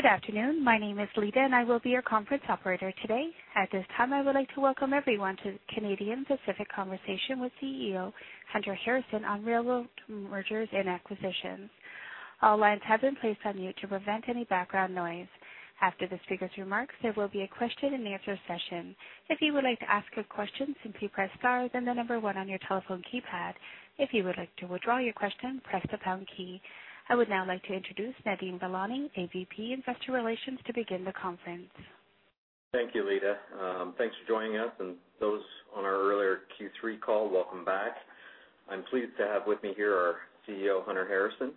Good afternoon. My name is Lita, and I will be your conference operator today. At this time, I would like to welcome everyone to the Canadian Pacific Conversation with CEO Hunter Harrison on Railroad Mergers and Acquisitions. All lines have been placed on mute to prevent any background noise. After the speaker's remarks, there will be a question-and-answer session. If you would like to ask a question, simply press star, then the number one on your telephone keypad. If you would like to withdraw your question, press the pound key. I would now like to introduce Nadeem Velani, a VP Investor Relations, to begin the conference. Thank you, Lita. Thanks for joining us and those on our earlier Q3 call, welcome back. I'm pleased to have with me here our CEO, Hunter Harrison.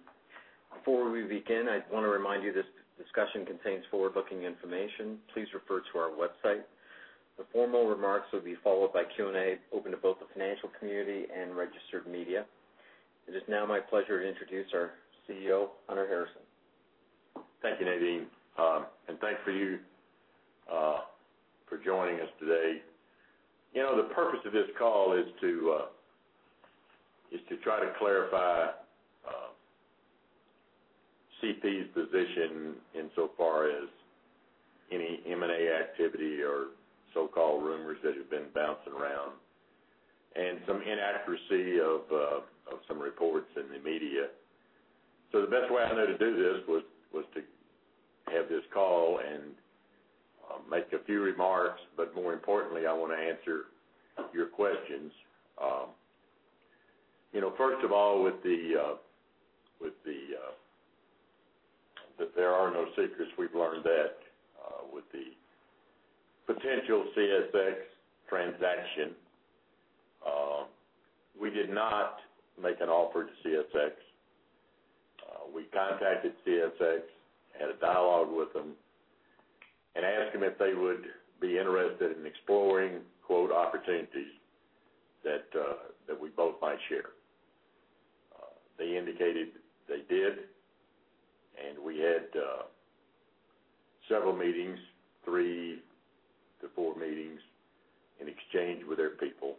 Before we begin, I want to remind you, this discussion contains forward-looking information. Please refer to our website. The formal remarks will be followed by Q&A, open to both the financial community and registered media. It is now my pleasure to introduce our CEO, Hunter Harrison. Thank you, Nadeem. And thank you for joining us today. You know, the purpose of this call is to try to clarify CP's position insofar as any M&A activity or so-called rumors that have been bouncing around, and some inaccuracy of some reports in the media. So the best way I know to do this was to have this call and make a few remarks, but more importantly, I want to answer your questions. You know, first of all, that there are no secrets, we've learned that with the potential CSX transaction. We did not make an offer to CSX. We contacted CSX, had a dialogue with them, and asked them if they would be interested in exploring, quote, opportunities that we both might share. They indicated they did, and we had several meetings, 3-4 meetings in exchange with their people.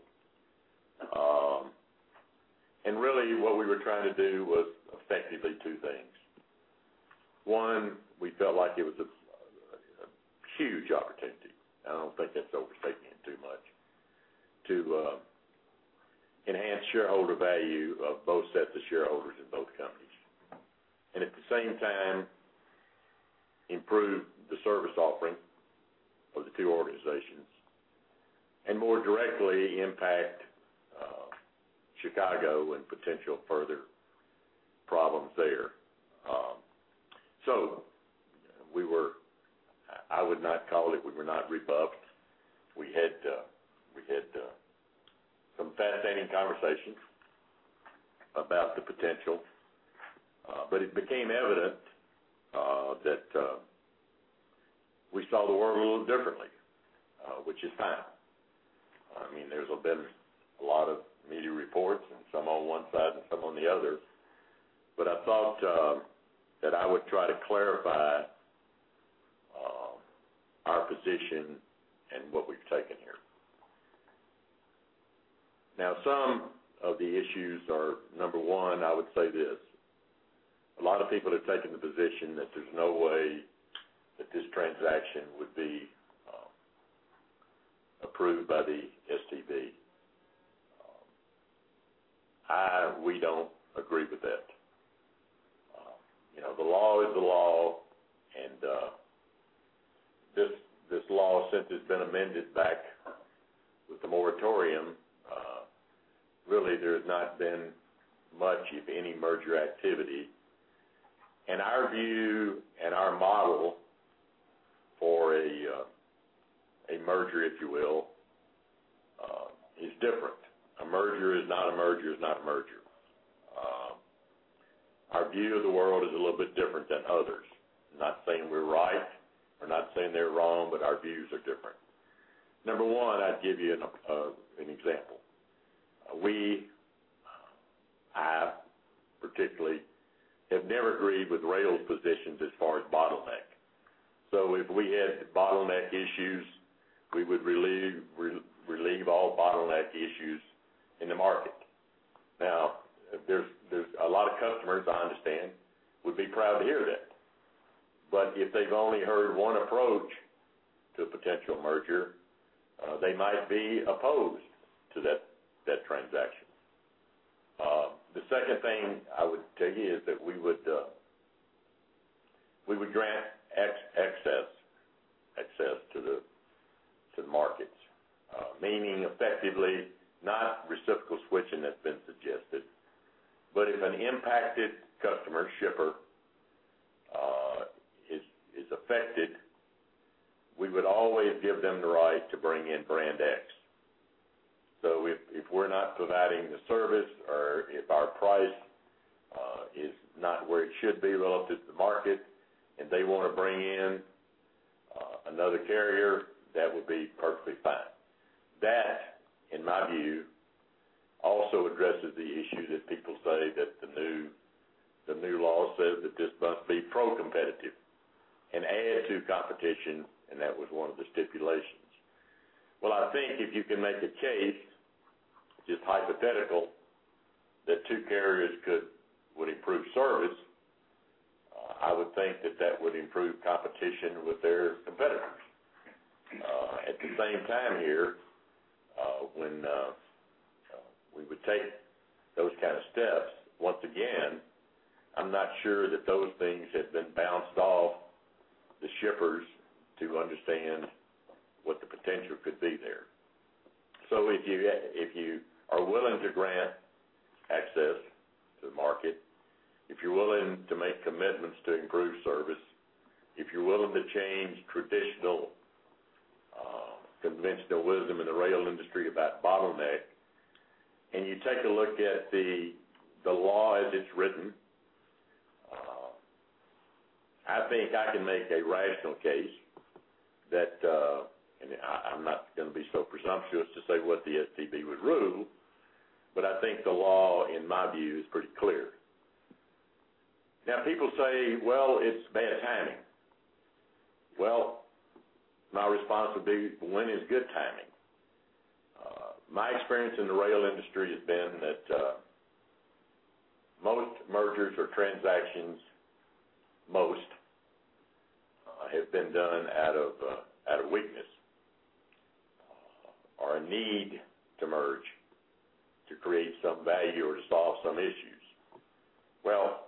And really, what we were trying to do was effectively two things. One, we felt like it was a huge opportunity, I don't think that's overstating it too much, to enhance shareholder value of both sets of shareholders in both companies, and at the same time, improve the service offering of the two organizations, and more directly impact Chicago and potential further problems there. So we were—I would not call it, we were not rebuffed. We had some fascinating conversations about the potential, but it became evident that we saw the world a little differently, which is fine. I mean, there's been a lot of media reports and some on one side and some on the other, but I thought that I would try to clarify our position and what we've taken here. Now, some of the issues are, number one, I would say this: a lot of people have taken the position that there's no way that this transaction would be approved by the STB. We don't agree with that. You know, the law is the law, and this law, since it's been amended back with the moratorium, really, there's not been much, if any, merger activity. And our view and our model for a merger, if you will, is different. A merger is not a merger, is not a merger. Our view of the world is a little bit different than others. Not saying we're right, or not saying they're wrong, but our views are different. Number one, I'd give you an example. We, I, particularly, have never agreed with rail's positions as far as bottleneck. So if we had bottleneck issues, we would relieve all bottleneck issues in the market. Now, there's a lot of customers, I understand, would be proud to hear that. But if they've only heard one approach to a potential merger, they might be opposed to that transaction. The second thing I would tell you is that we would grant access to the markets. Meaning effectively, not reciprocal switching that's been suggested, but if an impacted customer shipper is affected, we would always give them the right to bring in Brand X. So if we're not providing the service or if our price is not where it should be relative to the market, and they want to bring in another carrier, that would be perfectly fine. That, in my view, also addresses the issue that people say that the new law says that this must be pro-competitive and add to competition, and that was one of the stipulations. Well, I think if you can make a case, just hypothetical, that two carriers would improve service, I would think that that would improve competition with their competitors. At the same time here, when we would take those kind of steps, once again, I'm not sure that those things have been bounced off the shippers to understand what the potential could be there. So if you, if you are willing to grant access to the market, if you're willing to make commitments to improve service, if you're willing to change traditional conventional wisdom in the rail industry about bottleneck, and you take a look at the law as it's written, I think I can make a rational case that, and I'm not gonna be so presumptuous to say what the STB would rule, but I think the law, in my view, is pretty clear. Now, people say, "Well, it's bad timing." Well, my response would be: When is good timing? My experience in the rail industry has been that most mergers or transactions have been done out of weakness or a need to merge, to create some value or to solve some issues. Well,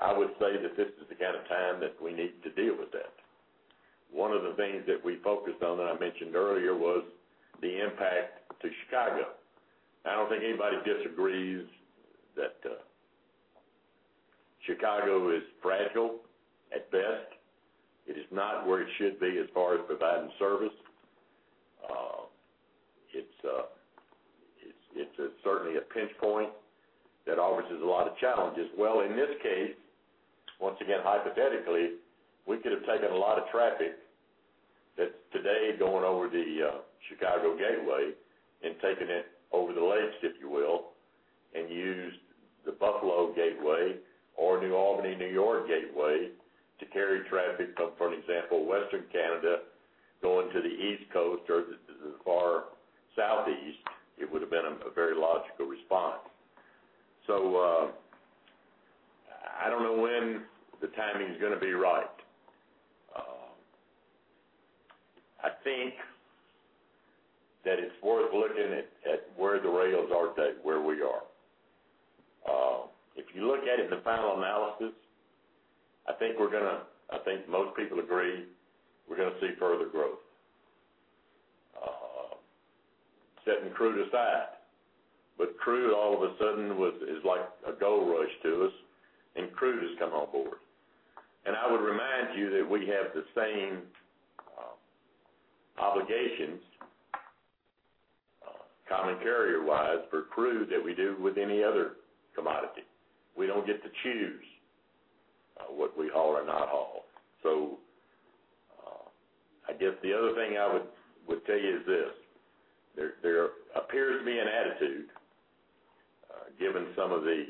I would say that this is the kind of time that we need to deal with that. One of the things that we focused on, that I mentioned earlier, was the impact to Chicago. I don't think anybody disagrees that Chicago is fragile at best. It is not where it should be as far as providing service. It's certainly a pinch point that offers us a lot of challenges. Well, in this case, once again, hypothetically, we could have taken a lot of traffic that's today going over the Chicago gateway and taking it over the lakes, if you will, and used the Buffalo gateway or Albany, New York, gateway to carry traffic from, for an example, western Canada, going to the East Coast or the far Southeast. It would have been a very logical response. I don't know when the timing is gonna be right. I think that it's worth looking at where the rails are today, where we are. If you look at it, the final analysis, I think we're gonna... I think most people agree, we're gonna see further growth, setting crude aside. But crude, all of a sudden, was, is like a gold rush to us, and crude has come on board. And I would remind you that we have the same obligations, common carrier-wise for crude that we do with any other commodity. We don't get to choose what we haul or not haul. I guess the other thing I would tell you is this: There appears to be an attitude, given some of the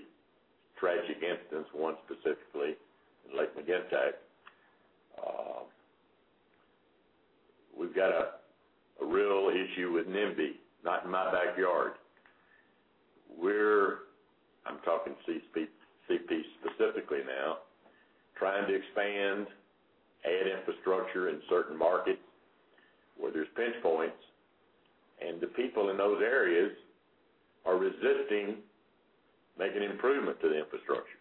tragic incidents, one specifically, in Lac-Mégantic. We've got a real issue with NIMBY, Not In My Backyard. I'm talking CP, CP specifically now, trying to expand, add infrastructure in certain markets where there's pinch points, and the people in those areas are resisting making improvement to the infrastructure.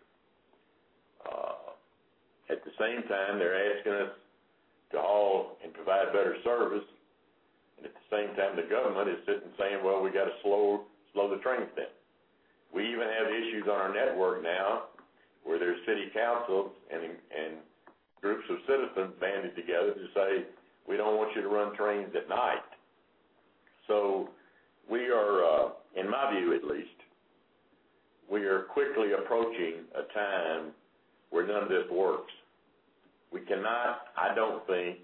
At the same time, they're asking us to haul and provide better service, and at the same time, the government is sitting, saying, "Well, we got to slow the trains down." We even have issues on our network now, where there's city councils and groups of citizens banding together to say, "We don't want you to run trains at night." So we are, in my view, at least, we are quickly approaching a time where none of this works. We cannot, I don't think,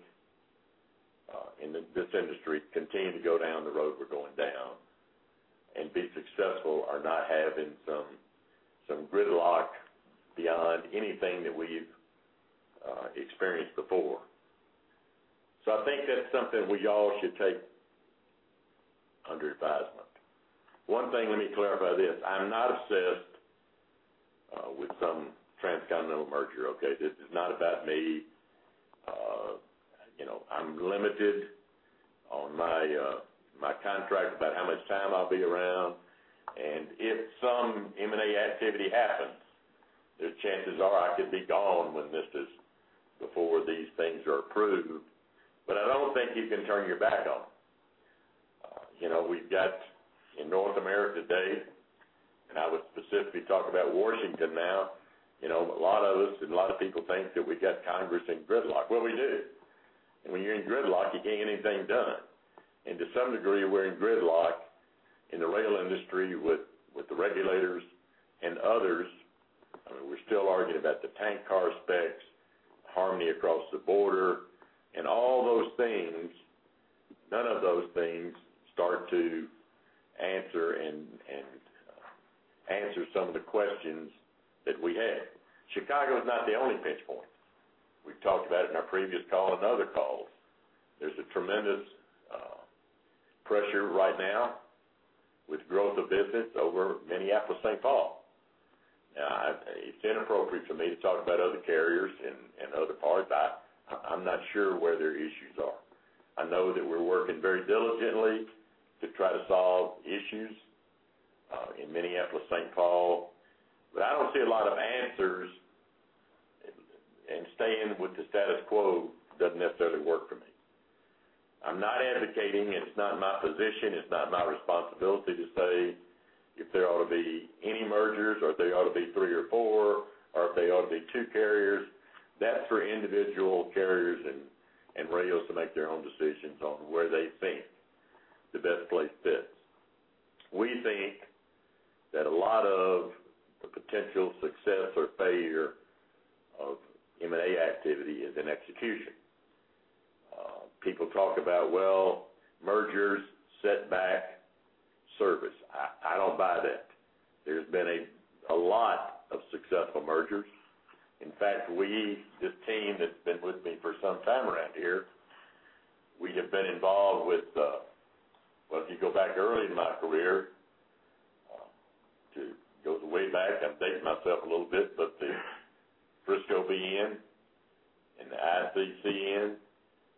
in this industry, continue to go down the road we're going down and be successful or not having some, some gridlock beyond anything that we've experienced before. So I think that's something we all should take under advisement. One thing, let me clarify this: I'm not obsessed with some transcontinental merger, okay? This is not about me. You know, I'm limited on my, my contract about how much time I'll be around, and if some M&A activity happens, the chances are I could be gone when this is-- before these things are approved. But I don't think you can turn your back on them. You know, we've got in North America today, and I would specifically talk about Washington now, you know, a lot of us and a lot of people think that we got Congress in gridlock. Well, we do! And when you're in gridlock, you can't get anything done. And to some degree, we're in gridlock in the rail industry with the regulators and others. I mean, we're still arguing about the tank car specs, harmony across the border, and all those things. None of those things start to answer some of the questions that we had. Chicago is not the only pinch point. We've talked about it in our previous call and other calls. There's a tremendous pressure right now with growth of business over Minneapolis-Saint Paul. Now, it's inappropriate for me to talk about other carriers and other parties. I'm not sure where their issues are. I know that we're working very diligently to try to solve issues in Minneapolis-Saint Paul, but I don't see a lot of answers, and staying with the status quo doesn't necessarily work for me. I'm not advocating, it's not my position, it's not my responsibility to say if there ought to be any mergers, or if there ought to be three or four, or if there ought to be two carriers. That's for individual carriers and rails to make their own decisions on where they think the best place fits. We think that a lot of the potential success or failure of M&A activity is in execution. People talk about, well, mergers set back service. I don't buy that. There's been a lot of successful mergers. In fact, we, this team that's been with me for some time around here, we have been involved with, if you go back early in my career, it goes way back, I'm dating myself a little bit, but the Frisco-BN and the IC-CN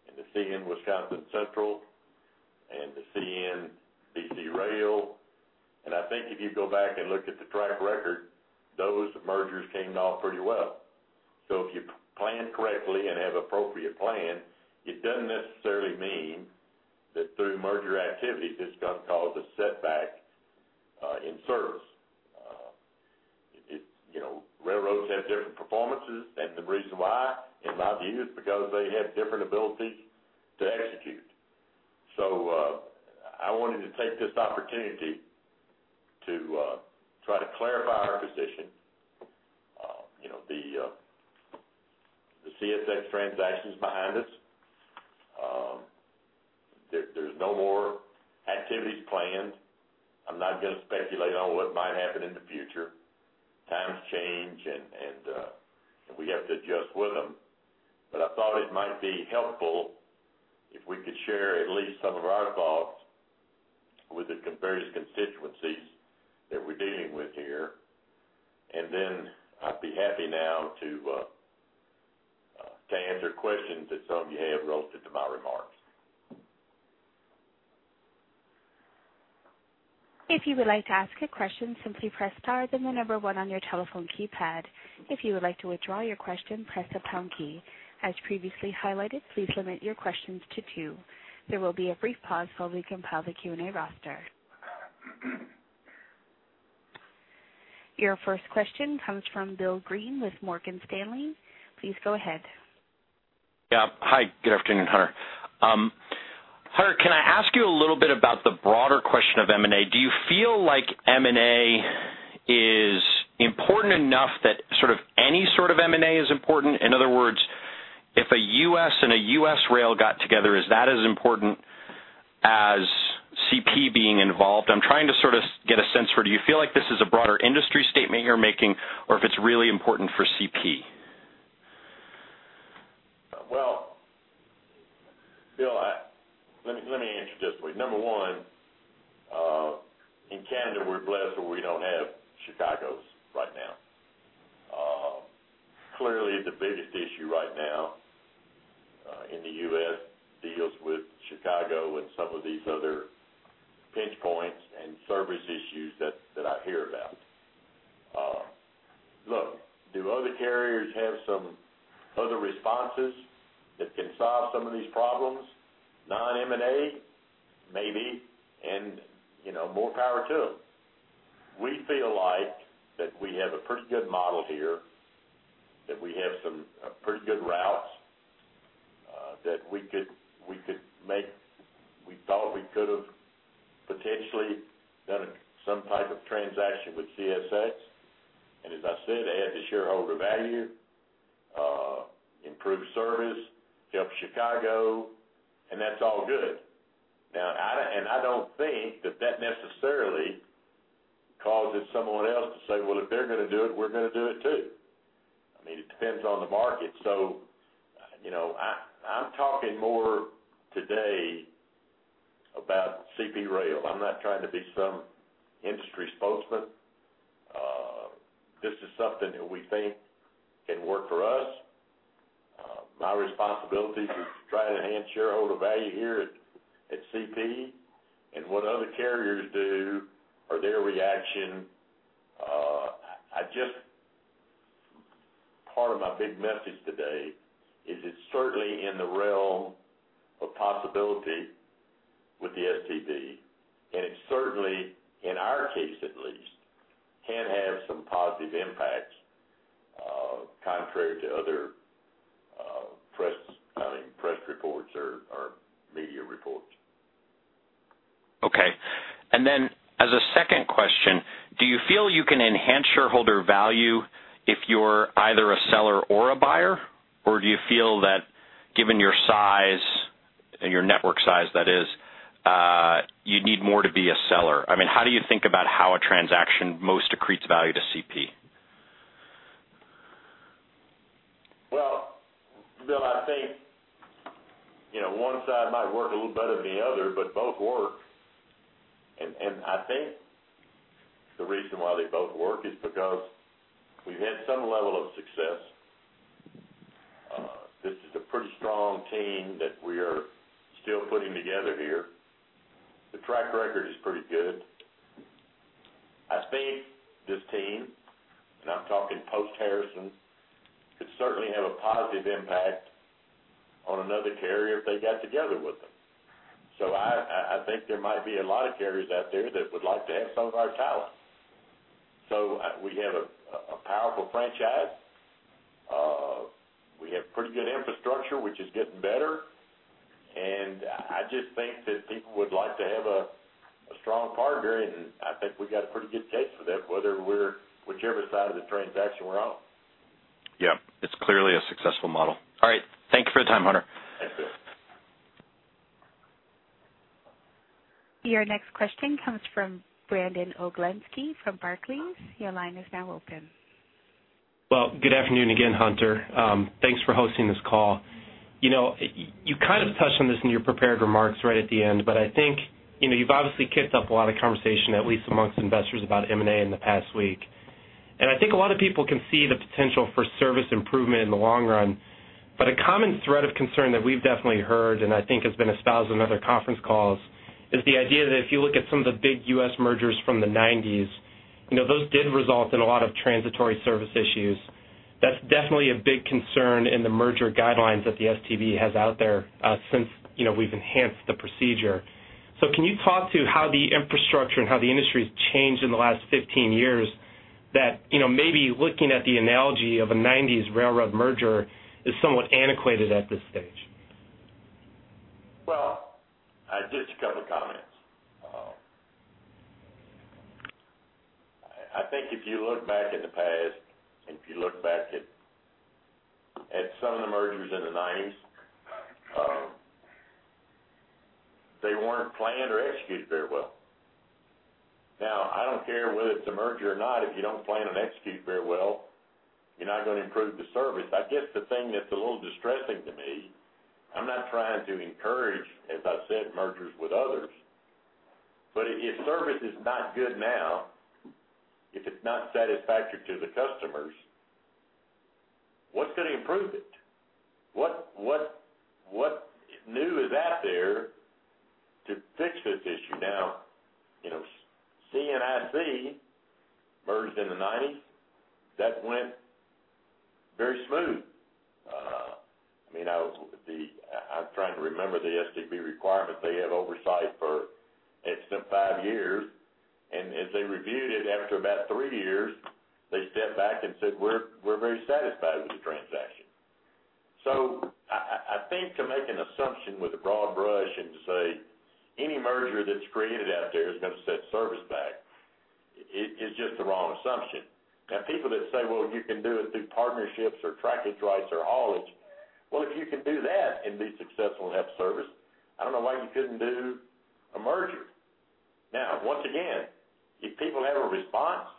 and the CN Wisconsin Central and the CN BC Rail. And I think if you go back and look at the track record, those mergers came off pretty well. So if you plan correctly and have appropriate plan, it doesn't necessarily mean that through merger activity, it's gonna cause a setback in service. It's, you know, railroads have different performances, and the reason why, in my view, is because they have different ability to execute. So, I wanted to take this opportunity to try to clarify our position. You know, the, the CSX transaction's behind us. There's no more activities planned. I'm not gonna speculate on what might happen in the future. Times change, and we have to adjust with them. But I thought it might be helpful if we could share at least some of our thoughts with the various constituencies that we're dealing with here. And then I'd be happy now to answer questions that some of you have relative to my remarks. If you would like to ask a question, simply press star, then the number one on your telephone keypad. If you would like to withdraw your question, press the pound key. As previously highlighted, please limit your questions to two. There will be a brief pause while we compile the Q&A roster. Your first question comes from Bill Greene with Morgan Stanley. Please go ahead. Yeah. Hi, good afternoon, Hunter. Hunter, can I ask you a little bit about the broader question of M&A? Do you feel like M&A is important enough that sort of any sort of M&A is important? In other words, if a US and a US rail got together, is that as important as CP being involved? I'm trying to sort of get a sense for, do you feel like this is a broader industry statement you're making, or if it's really important for CP? Well, Bill, let me, let me answer it this way. Number one, in Canada, we're blessed that we don't have Chicagos right now. Clearly, the biggest issue right now, in the U.S. deals with Chicago and some of these other pinch points and service issues that, that I hear about. Look, do other carriers have some other responses that can solve some of these problems, non-M&A? Maybe, and, you know, more power to them. We feel like that we have a pretty good model here, that we have some, pretty good routes, that we could, we could make... We thought we could have potentially done some type of transaction with CSX, and as I said, it had the shareholder value, improved service, helped Chicago, and that's all good. Now, I don't and I don't think that that necessarily causes someone else to say, "Well, if they're gonna do it, we're gonna do it, too." I mean, it depends on the market. So, you know, I'm talking more today about CP Rail. I'm not trying to be some industry spokesman. This is something that we think can work for us. My responsibility is to try to enhance shareholder value here at CP, and what other carriers do or their reaction, I just—Part of my big message today is it's certainly in the realm of possibility with the STB, and it's certainly, in our case at least, can have some positive impacts, contrary to other press, I mean, press reports or media reports. Okay. And then, as a second question, do you feel you can enhance shareholder value if you're either a seller or a buyer? Or do you feel that given your size... and your network size, that is, you need more to be a seller. I mean, how do you think about how a transaction most accretes value to CP? Well, Bill, I think, you know, one side might work a little better than the other, but both work. And I think the reason why they both work is because we've had some level of success. This is a pretty strong team that we are still putting together here. The track record is pretty good. I think this team, and I'm talking post-Harrison, could certainly have a positive impact on another carrier if they got together with them. So I think there might be a lot of carriers out there that would like to have some of our talent. So I, we have a powerful franchise. We have pretty good infrastructure, which is getting better, and I just think that people would like to have a strong partner, and I think we've got a pretty good case for that, whether we're, whichever side of the transaction we're on. Yeah, it's clearly a successful model. All right. Thank you for the time, Hunter. Thanks, Bill. Your next question comes from Brandon Oglenski from Barclays. Your line is now open. Well, good afternoon again, Hunter. Thanks for hosting this call. You know, you kind of touched on this in your prepared remarks right at the end, but I think, you know, you've obviously kicked up a lot of conversation, at least amongst investors, about M&A in the past week. And I think a lot of people can see the potential for service improvement in the long run. But a common thread of concern that we've definitely heard, and I think has been espoused in other conference calls, is the idea that if you look at some of the big U.S. mergers from the '90s, you know, those did result in a lot of transitory service issues. That's definitely a big concern in the merger guidelines that the STB has out there, since, you know, we've enhanced the procedure. Can you talk to how the infrastructure and how the industry has changed in the last 15 years that, you know, maybe looking at the analogy of a 1990s railroad merger is somewhat antiquated at this stage? Well, just a couple of comments. I think if you look back at the past and if you look back at some of the mergers in the '90s, they weren't planned or executed very well. Now, I don't care whether it's a merger or not, if you don't plan and execute very well, you're not gonna improve the service. I guess the thing that's a little distressing to me. I'm not trying to encourage, as I said, mergers with others, but if service is not good now, if it's not satisfactory to the customers, what's gonna improve it? What new is out there to fix this issue? Now, you know, CNIC merged in the '90s. That went very smooth. I mean, I was... I'm trying to remember the STB requirements. They had oversight for, it's been five years, and as they reviewed it after about three years, they stepped back and said, "We're, we're very satisfied with the transaction." So I, I, I think to make an assumption with a broad brush and to say any merger that's created out there is gonna set service back, it is just the wrong assumption. Now, people that say, "Well, you can do it through partnerships or trackage rights or haulage," well, if you can do that and be successful and have service, I don't know why you couldn't do a merger. Now, once again, if people have a response,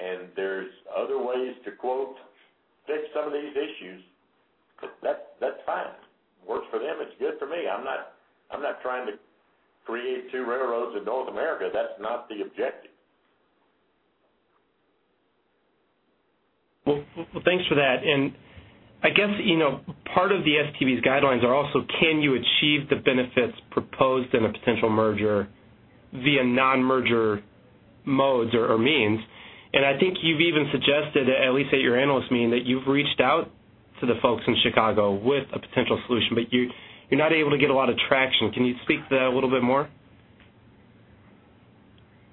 and there's other ways to, quote, "fix some of these issues," that's, that's fine. Works for them, it's good for me. I'm not, I'm not trying to create two railroads in North America. That's not the objective. Well, well, thanks for that. And I guess, you know, part of the STB's guidelines are also, can you achieve the benefits proposed in a potential merger via non-merger modes or, or means? And I think you've even suggested, at least at your analyst meeting, that you've reached out to the folks in Chicago with a potential solution, but you, you're not able to get a lot of traction. Can you speak to that a little bit more?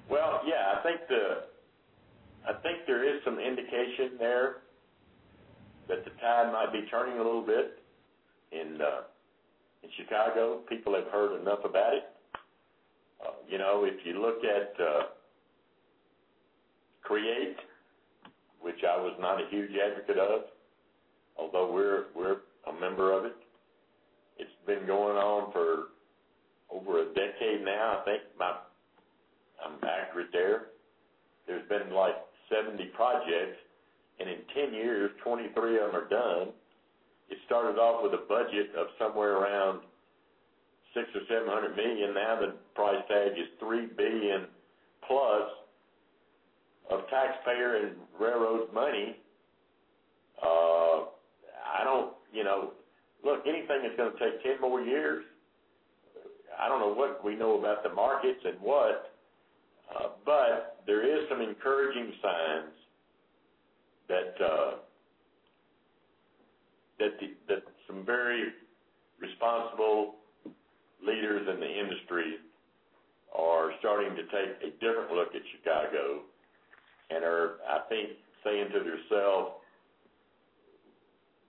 Well, yeah. I think there is some indication there that the tide might be turning a little bit in Chicago. People have heard enough about it. You know, if you look at CREATE, which I was not a huge advocate of, although we're a member of it, it's been going on for over a decade now. I think I'm accurate there. There's been, like, 70 projects, and in 10 years, 23 of them are done. It started off with a budget of somewhere around $600 million-$700 million. Now, the price tag is $3 billion-plus of taxpayer and railroad money. I don't... You know, look, anything that's gonna take 10 more years, I don't know what we know about the markets and what, but there is some encouraging signs that that some very responsible leaders in the industry are starting to take a different look at Chicago and are, I think, saying to themselves,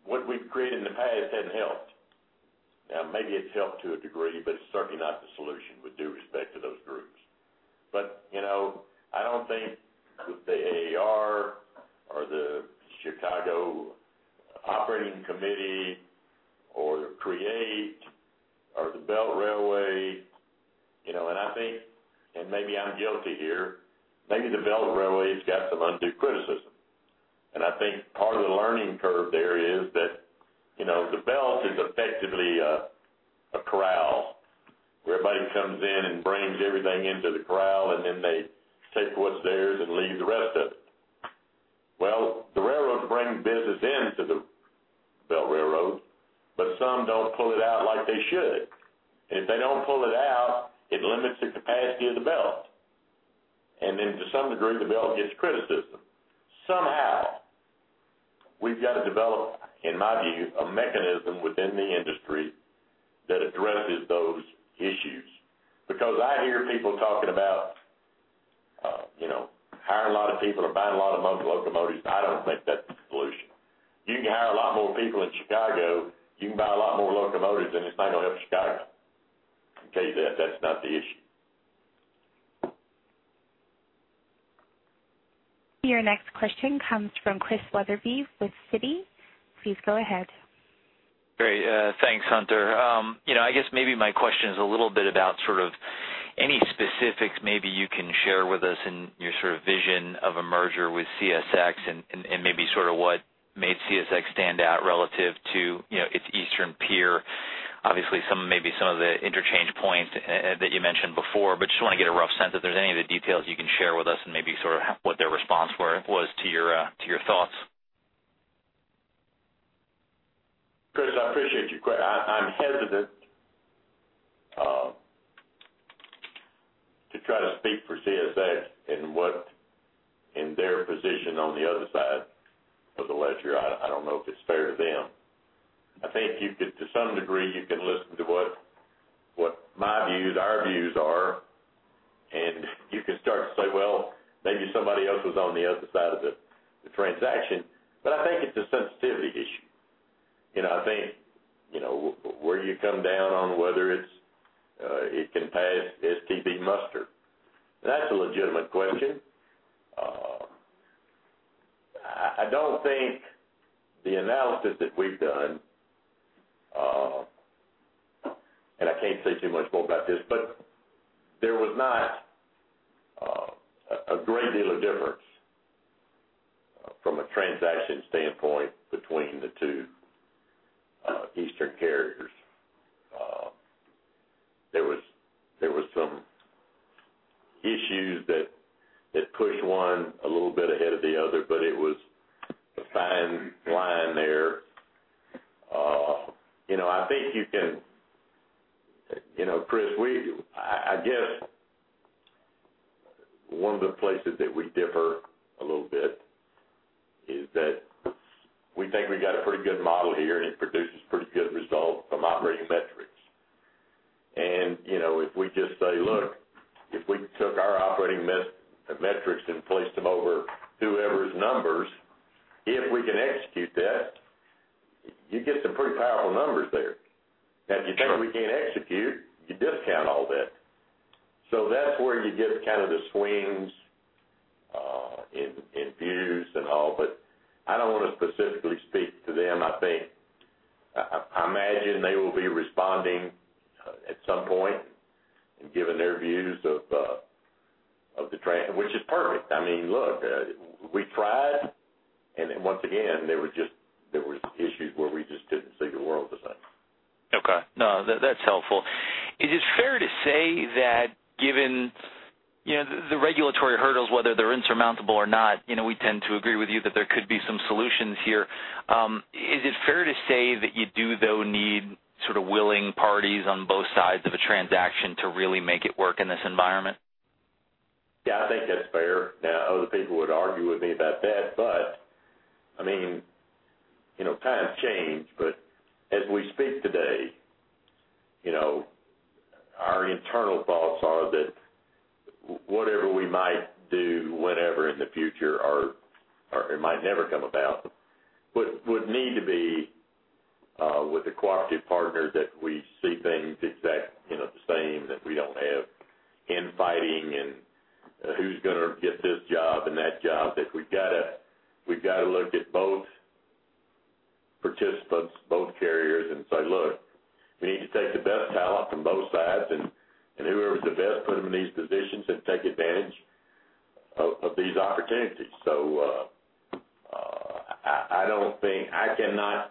"What we've created in the past hasn't helped." Now, maybe it's helped to a degree, but it's certainly not the solution, with due respect to those groups. But, you know, I don't think the AAR-... Chicago Operating Committee or Create or the Belt Railway, you know, and I think, and maybe I'm guilty here, maybe the Belt Railway's got some undue criticism. I think part of the learning curve there is that, you know, the Belt is effectively a corral, where everybody comes in and brings everything into the corral, and then they take what's theirs and leave the rest of it. Well, the railroads bring business into the Belt Railroad, but some don't pull it out like they should. If they don't pull it out, it limits the capacity of the Belt, and then to some degree, the Belt gets criticism. Somehow, we've got to develop, in my view, a mechanism within the industry that addresses those issues. Because I hear people talking about, you know, hiring a lot of people or buying a lot of locomotives. I don't think that's the solution. You can hire a lot more people in Chicago, you can buy a lot more locomotives, and it's not going to help Chicago. I can tell you that, that's not the issue. Your next question comes from Chris Wetherbee with Citi. Please go ahead. Great, thanks, Hunter. You know, I guess maybe my question is a little bit about sort of any specifics maybe you can share with us in your sort of vision of a merger with CSX and maybe sort of what made CSX stand out relative to, you know, its eastern peer. Obviously, some, maybe some of the interchange points that you mentioned before, but just want to get a rough sense if there's any of the details you can share with us and maybe sort of what their response was to your, to your thoughts. Chris, I appreciate your question. I'm hesitant to try to speak for CSX and what their position on the other side of the ledger. I don't know if it's fair to them. I think you could, to some degree, you can listen to what my views, our views are, and you can start to say, well, maybe somebody else was on the other side of the transaction, but I think it's a sensitivity issue. You know, I think, you know, where you come down on whether it's it can pass STB muster. That's a legitimate question. I don't think the analysis that we've done and I can't say too much more about this, but there was not a great deal of difference from a transaction standpoint between the two eastern carriers. There was some issues that pushed one a little bit ahead of the other, but it was a fine line there. You know, I think you can... You know, Chris, we—I, I guess one of the places that we differ a little bit is that we think we got a pretty good model here, and it produces pretty good results from operating metrics. You know, if we just say, look, if we took our operating metrics and placed them over whoever's numbers, if we can execute that, you get some pretty powerful numbers there. Sure. Now, if you think we can't execute, you discount all that. So that's where you get kind of the swings in views and all, but I don't want to specifically speak to them. I think I imagine they will be responding at some point and giving their views of the tran-- which is perfect. I mean, look, we tried, and then once again, there were just some issues where we just didn't see the world the same. Okay. No, that, that's helpful. Is it fair to say that given, you know, the, the regulatory hurdles, whether they're insurmountable or not, you know, we tend to agree with you that there could be some solutions here. Is it fair to say that you do, though, need sort of willing parties on both sides of a transaction to really make it work in this environment? Yeah, I think that's fair. Now, other people would argue with me about that, but I mean, you know, times change. But as we speak today, you know, our internal thoughts are that whatever we might do, whenever in the future or, or it might never come about, would need to be with a cooperative partner, that we see things exact, you know, the same, that we don't have infighting and who's gonna get this job and that job. That we've got to, we've got to look at both participants, both carriers, and say: Look, we need to take the best talent from both sides, and, and whoever's the best, put them in these positions and take advantage of, of these opportunities. So, I don't think. I cannot...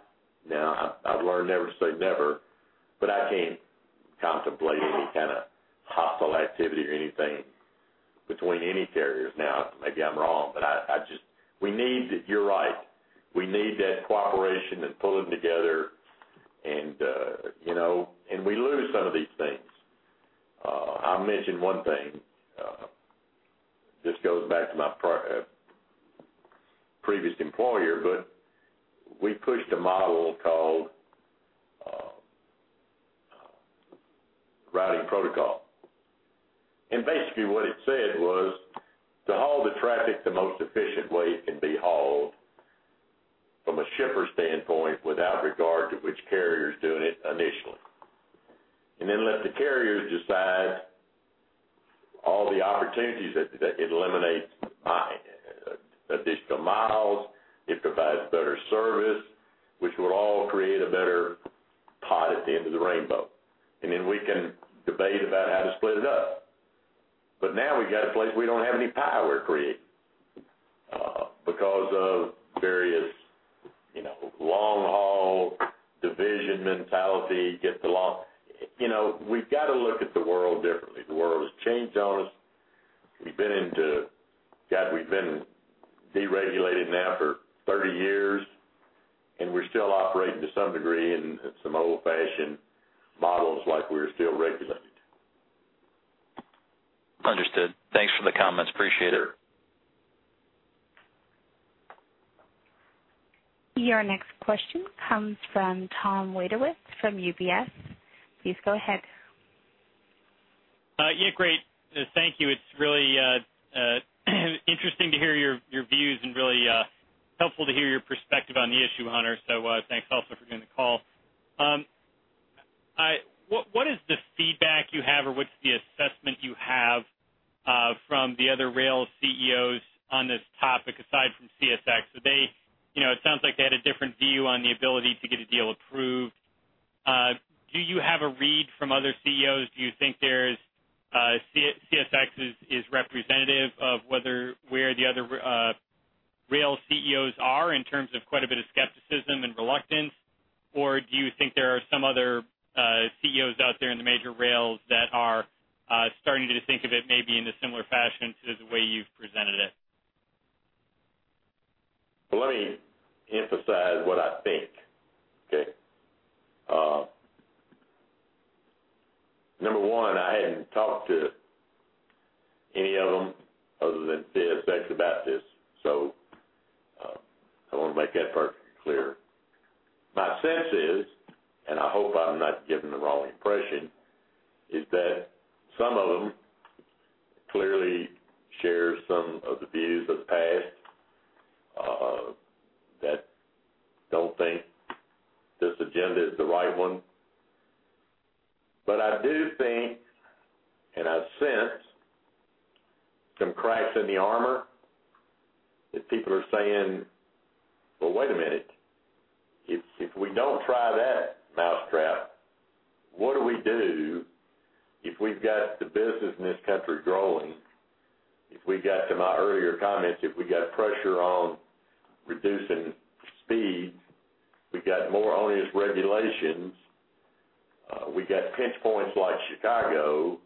Now, I've learned never say never, but I can't contemplate any kind of hostile activity or anything between any carriers. Now, maybe I'm wrong, but I just—we need, you're right. We need that cooperation and pulling together and, you know, and we lose some of these things. I'll mention one thing, this goes back to my previous employer, but we pushed a model called routing protocol. And basically what it said was, to haul the traffic, the most efficient way it can be hauled from a shipper standpoint, without regard to which carrier is doing it initially. And then let the carriers decide all the opportunities that it eliminates by additional miles, it provides better service, which will all create a better pot at the end of the rainbow. And then we can debate about how to split it up. But now we've got a place we don't have any pie we're creating, because of various, you know, long-haul division mentality. You know, we've got to look at the world differently. The world has changed on us. God, we've been deregulated now for 30 years, and we're still operating to some degree in some old-fashioned models like we're still regulated. Understood. Thanks for the comments. Appreciate it. Your next question comes from Tom Wadewitz from UBS. Please go ahead. Yeah, great. Thank you. It's really interesting to hear your, your views and really helpful to hear your perspective on the issue, Hunter. So, thanks also for doing the call. What, what is the feedback you have, or what's the assessment you have from the other rail CEOs on this topic, aside from CSX? So they, you know, it sounds like they had a different view on the ability to get a deal approved. Do you have a read from other CEOs? Do you think there's CSX is representative of where the other rail CEOs are in terms of quite a bit of skepticism and reluctance? Or do you think there are some other CEOs out there in the major rails that are starting to think of it maybe in a similar fashion to the way you've presented it? Let me emphasize what I think, okay? Number one, I hadn't talked to any of them other than CSX about this, so, I want to make that perfectly clear. My sense is, and I hope I'm not giving the wrong impression, is that some of them clearly share some of the views of the past, that don't think this agenda is the right one. But I do think, and I've sensed some cracks in the armor, that people are saying: "Well, wait a minute, if, if we don't try that mousetrap, what do we do if we've got the business in this country growing?" If we got to my earlier comments, if we got pressure on reducing speed, we got more onerous regulations, we got pinch points like Chicago,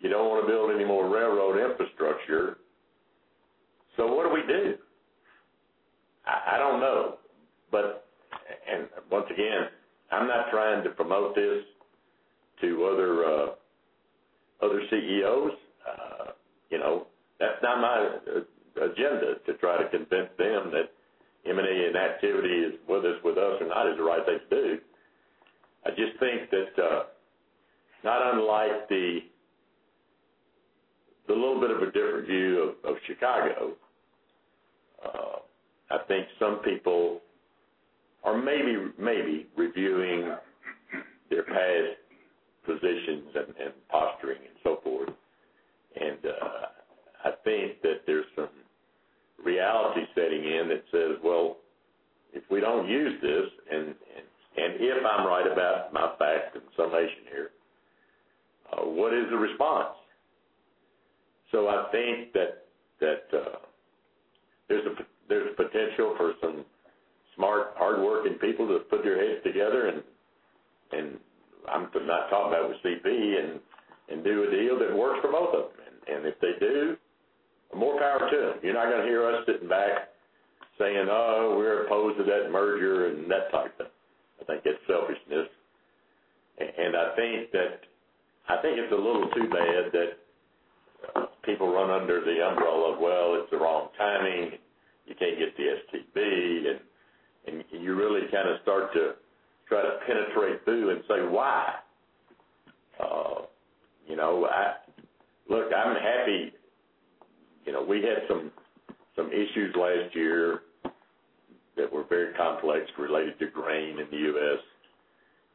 you don't want to build any more railroad infrastructure. So what do we do? I don't know. Once again, I'm not trying to promote this to other other CEOs. You know, that's not my agenda, to try to convince them that M&A and activity, whether it's with us or not, is the right thing to do. I just think that, not unlike the little bit of a different view of Chicago, I think some people are maybe reviewing their past positions and posturing and so forth. And, I think that there's some reality setting in that says, "Well, if we don't use this, and if I'm right about my facts and summation here, what is the response?" So I think that there's a potential for some smart, hardworking people to put their heads together, and I'm not talking about with CP, and do a deal that works for both of them. And if they do, more power to them. You're not going to hear us sitting back saying, "Oh, we're opposed to that merger," and that type of thing. I think it's selfishness. And I think it's a little too bad that people run under the umbrella of, "Well, it's the wrong timing. You can't get the STB, and you really kind of start to try to penetrate through and say, "Why?" You know, Look, I'm happy. You know, we had some issues last year that were very complex related to grain in the U.S.,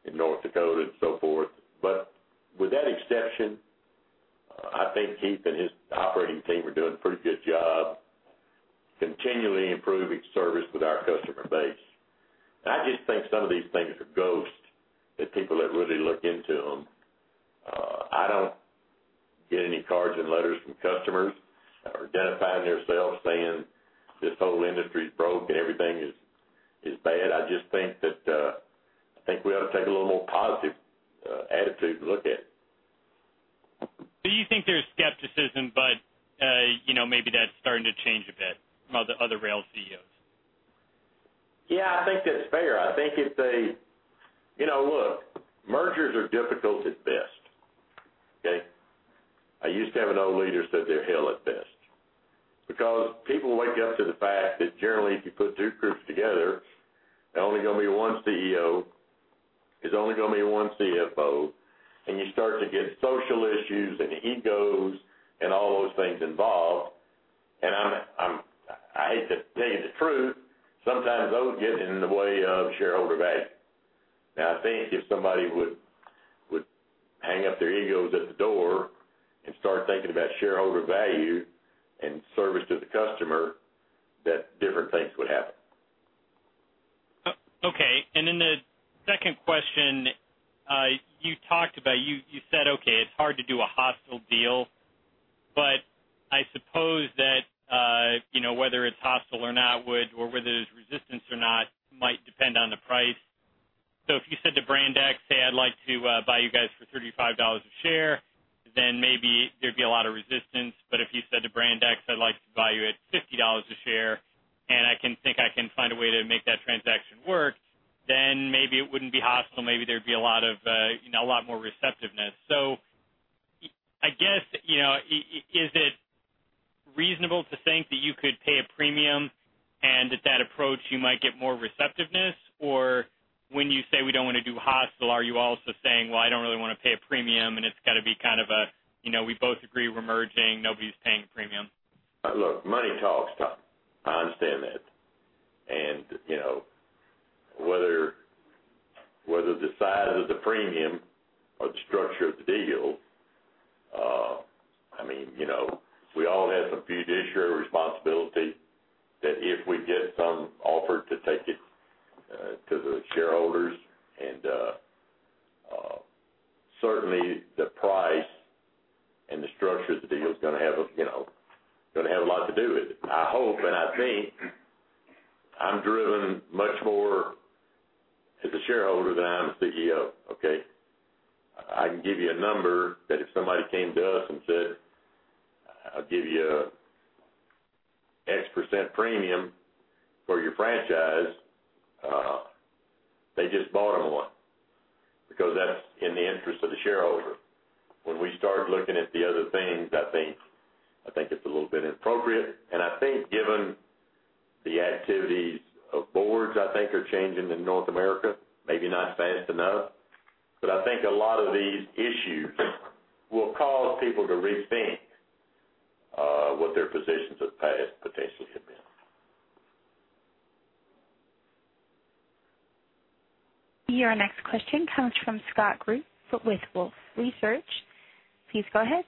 in North Dakota and so forth. But with that exception, I think Keith and his operating team are doing a pretty good job continually improving service with our customer base. I just think some of these things are ghosts, that people that really look into them. I don't get any cards and letters from customers identifying themselves, saying, "This whole industry is broke and everything is bad." I just think that, I think we ought to take a little more positive attitude to look at it. Do you think there's skepticism, but, you know, maybe that's starting to change a bit from other rail CEOs? Yeah, I think that's fair. I think it's a... You know, look, mergers are difficult at best, okay? I used to have an old leader say they're hell at best, because people wake up to the fact that generally, if you put two groups together, there's only going to be one CEO, there's only going to be one CFO, and you start to get social issues and egos and all those things involved... to tell you the truth, sometimes those get in the way of shareholder value. Now, I think if somebody would hang up their egos at the door and start thinking about shareholder value and service to the customer, that different things would happen. Okay. And then the second question, you talked about, you said, okay, it's hard to do a hostile deal, but I suppose that, you know, whether it's hostile or not, or whether there's resistance or not, might depend on the price. So if you said to Brand X: Say, I'd like to buy you guys for $35 a share, then maybe there'd be a lot of resistance. But if you said to Brand X: I'd like to buy you at $50 a share, and I can think I can find a way to make that transaction work, then maybe it wouldn't be hostile. Maybe there'd be a lot of, you know, a lot more receptiveness. So I guess, you know, is it reasonable to think that you could pay a premium and with that approach, you might get more receptiveness? Or when you say, we don't want to do hostile, are you also saying: Well, I don't really want to pay a premium, and it's got to be kind of a, you know, we both agree we're merging, nobody's paying a premium? Look, money talks. I understand that. And, you know, whether the size of the premium or the structure of the deal, I mean, you know, we all have some fiduciary responsibility that if we get some offer to take it to the shareholders, and certainly the price and the structure of the deal is gonna have a, you know, gonna have a lot to do with it. I hope, and I think I'm driven much more as a shareholder than I am a CEO, okay? I can give you a number that if somebody came to us and said, "I'll give you a X% premium for your franchise," they just bought them one, because that's in the interest of the shareholder. When we start looking at the other things, I think, I think it's a little bit inappropriate, and I think given the activities of boards, I think are changing in North America, maybe not fast enough, but I think a lot of these issues will cause people to rethink what their positions of the past potentially have been. Your next question comes from Scott Group with Wolfe Research. Please go ahead.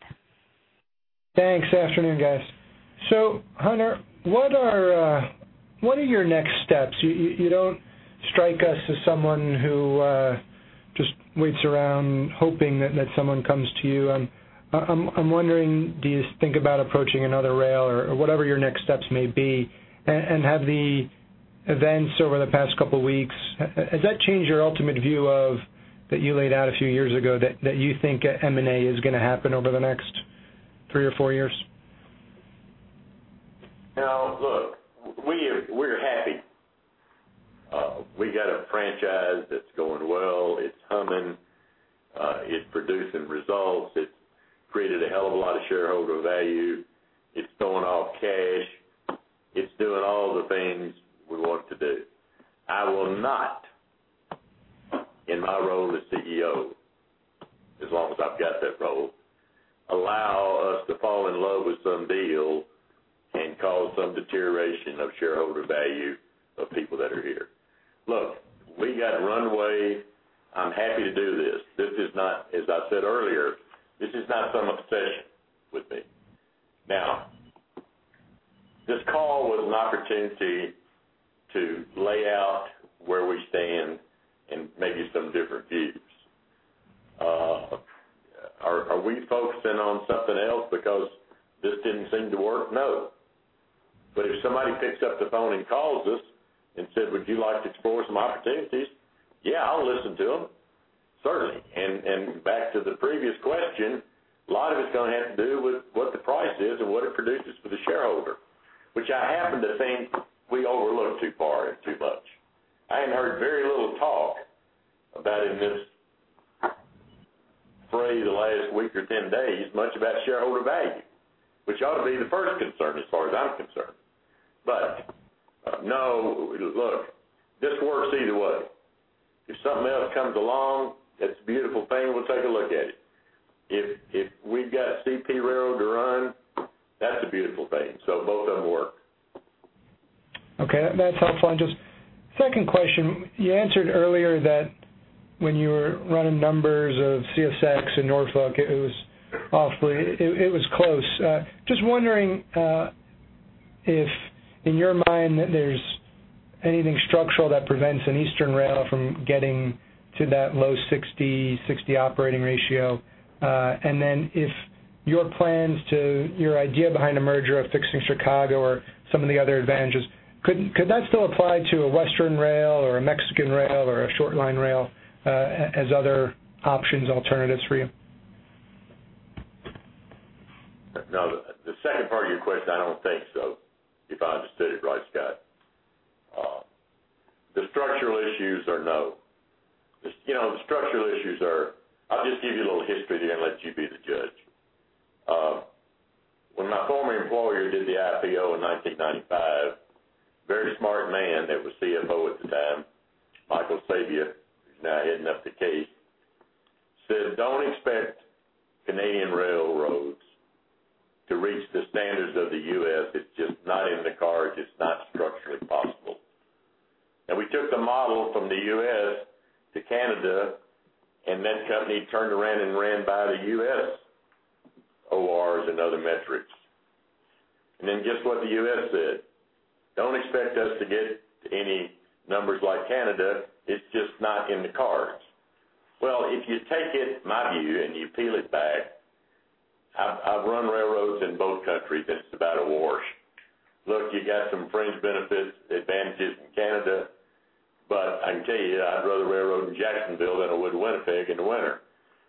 Thanks. Afternoon, guys. So Hunter, what are your next steps? You don't strike us as someone who just waits around hoping that someone comes to you. I'm wondering, do you think about approaching another rail or whatever your next steps may be? And have the events over the past couple of weeks changed your ultimate view of that you laid out a few years ago, that you think M&A is gonna happen over the next three or four years? Now, look, we're happy. We got a franchise that's going well, it's humming, it's producing results. It's created a hell of a lot of shareholder value. It's throwing off cash. It's doing all the things we want to do. I will not, in my role as CEO, as long as I've got that role, allow us to fall in love with some deal and cause some deterioration of shareholder value of people that are here. Look, we got runway. I'm happy to do this. This is not, as I said earlier, this is not some obsession with me. Now, this call was an opportunity to lay out where we stand and maybe some different views. Are we focusing on something else because this didn't seem to work? No. But if somebody picks up the phone and calls us and said: Would you like to explore some opportunities? Yeah, I'll listen to them, certainly. And back to the previous question, a lot of it's gonna have to do with what the price is and what it produces for the shareholder, which I happen to think we overlook too far and too much. I ain't heard very little talk about in this, from the last week or 10 days, much about shareholder value, which ought to be the first concern as far as I'm concerned. But no, look, this works either way. If something else comes along, that's a beautiful thing, we'll take a look at it. If we've got CP Railroad to run, that's a beautiful thing. So both of them work. Okay, that's helpful. And just second question, you answered earlier that when you were running numbers of CSX and Norfolk, it was awfully... It was close. Just wondering, if in your mind, there's anything structural that prevents an eastern rail from getting to that low 60, 60 operating ratio? And then if your idea behind a merger of fixing Chicago or some of the other advantages, could that still apply to a western rail or a Mexican rail or a short line rail, as other options, alternatives for you? Now, the second part of your question, I don't think so, if I understood it right, Scott. The structural issues are no. You know, the structural issues are... I'll just give you a little history here and let you be the judge. When my former employer did the IPO in 1995, very smart man that was CFO at the time, Michael Sabia, who's now heading up the Caisse, said, "Don't expect Canadian railroads to reach the standards of the US. It's just not in the cards, it's not structurally possible." And we took the model from the US to Canada, and that company turned around and ran by the US ORs and other metrics. And then guess what the US said? "Don't expect us to get to any numbers like Canada. It's just not in the cards." Well, if you take it, my view, and you peel it back, I've run railroads in both countries, and it's about a wash. Look, you got some fringe benefits, advantages in Canada, but I can tell you, I'd rather railroad in Jacksonville than I would Winnipeg in the winter.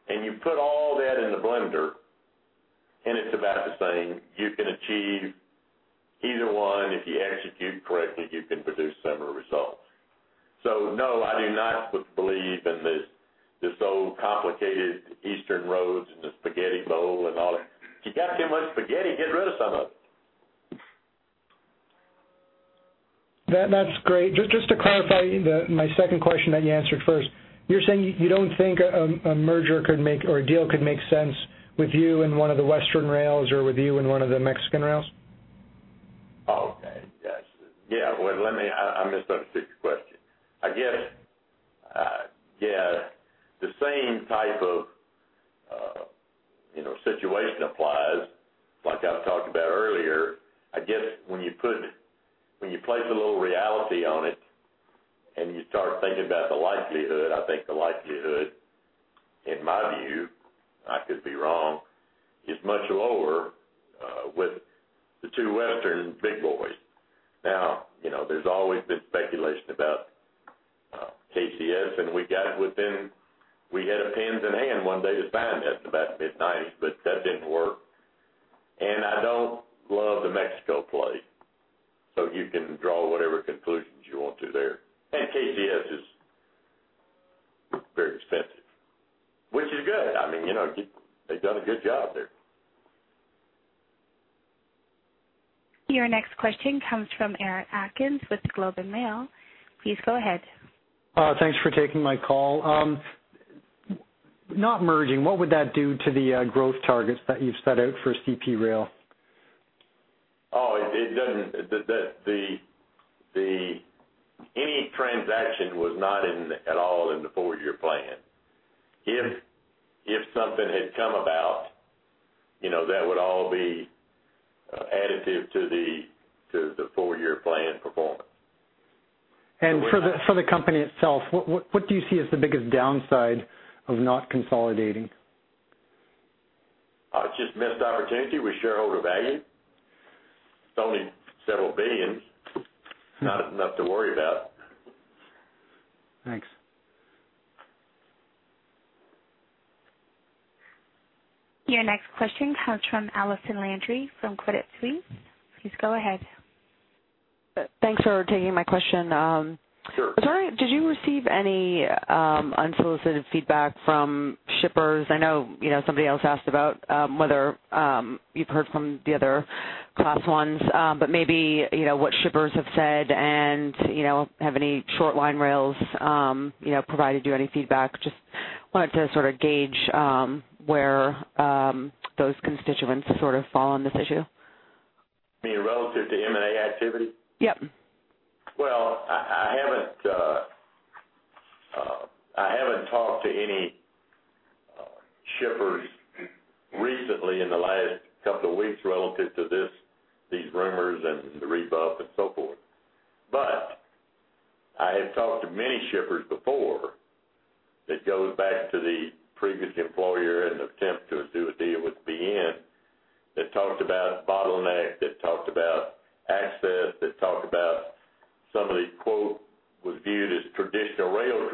And you put all that in the blender, and it's about the same. You can achieve either one. If you execute correctly, you can produce similar results. So no, I do not believe in this so complicated eastern roads and the spaghetti bowl and all that. If you got too much spaghetti, get rid of some of it. That, that's great. Just to clarify the, my second question that you answered first. You're saying you don't think a merger could make or a deal could make sense with you and one of the Western rails or with you and one of the Mexican rails? Okay. Yes. Yeah, well, let me... I misunderstood your question. I guess, yeah, the same type of, you know, situation applies, like I talked about earlier. I guess when you place a little reality on it, and you start thinking about the likelihood, I think the likelihood, in my view, I could be wrong, is much lower, with the two Western big boys. Now, you know, there's always been speculation about, KCS, and we got it within. We had pens in hand one day to sign that in about mid-1990s, but that didn't work. And I don't love the Mexico play, so you can draw whatever conclusions you want to there. And KCS is very expensive, which is good. I mean, you know, they've done a good job there. Your next question comes from Eric Atkins with Globe and Mail. Please go ahead. Thanks for taking my call. Not merging, what would that do to the growth targets that you've set out for CP Rail? Oh, it doesn't. Any transaction was not, at all, in the four-year plan. If something had come about, you know, that would all be additive to the four-year plan performance. For the company itself, what do you see as the biggest downside of not consolidating? Just missed opportunity with shareholder value. It's only $several billion. Not enough to worry about. Thanks. Your next question comes from Allison Landry from Credit Suisse. Please go ahead. Thanks for taking my question. Sure. Sorry, did you receive any unsolicited feedback from shippers? I know, you know, somebody else asked about whether you've heard from the other class ones, but maybe, you know, what shippers have said and, you know, have any short line rails provided you any feedback? Just wanted to sort of gauge where those constituents sort of fall on this issue. You mean relative to M&A activity? Yep. Well, I haven't talked to any shippers recently in the last couple of weeks relevant to this, these rumors and the rebuff and so forth. But I have talked to many shippers before. That goes back to the previous employer and the attempt to do a deal with BN, that talked about bottleneck, that talked about access, that talked about some of the, quote, "was viewed as traditional rail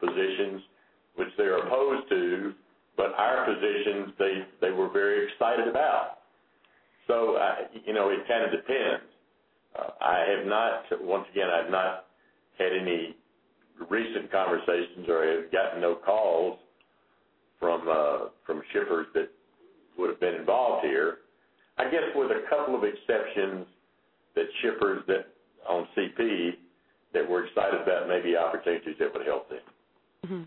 positions," which they're opposed to, but our positions, they, they were very excited about. So I... You know, it kind of depends. I have not, once again, I've not had any recent conversations or have gotten no calls from, from shippers that would have been involved here. I guess, with a couple of exceptions, that shippers that on CP that were excited about maybe opportunities that would help them. Mm-hmm.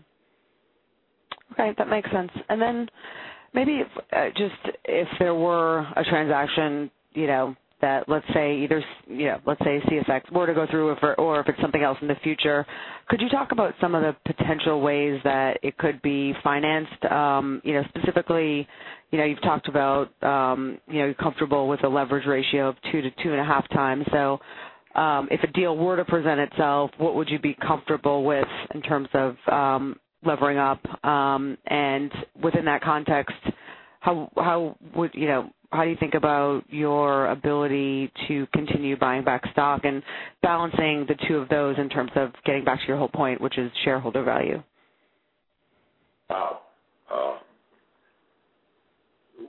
Okay, that makes sense. And then maybe if, just if there were a transaction, you know, that, let's say, either, you know, let's say CSX were to go through or if it's something else in the future, could you talk about some of the potential ways that it could be financed? You know, specifically, you know, you've talked about, you know, you're comfortable with a leverage ratio of 2-2.5 times. So, if a deal were to present itself, what would you be comfortable with in terms of, levering up? And within that context, how would, you know, how do you think about your ability to continue buying back stock and balancing the two of those in terms of getting back to your whole point, which is shareholder value?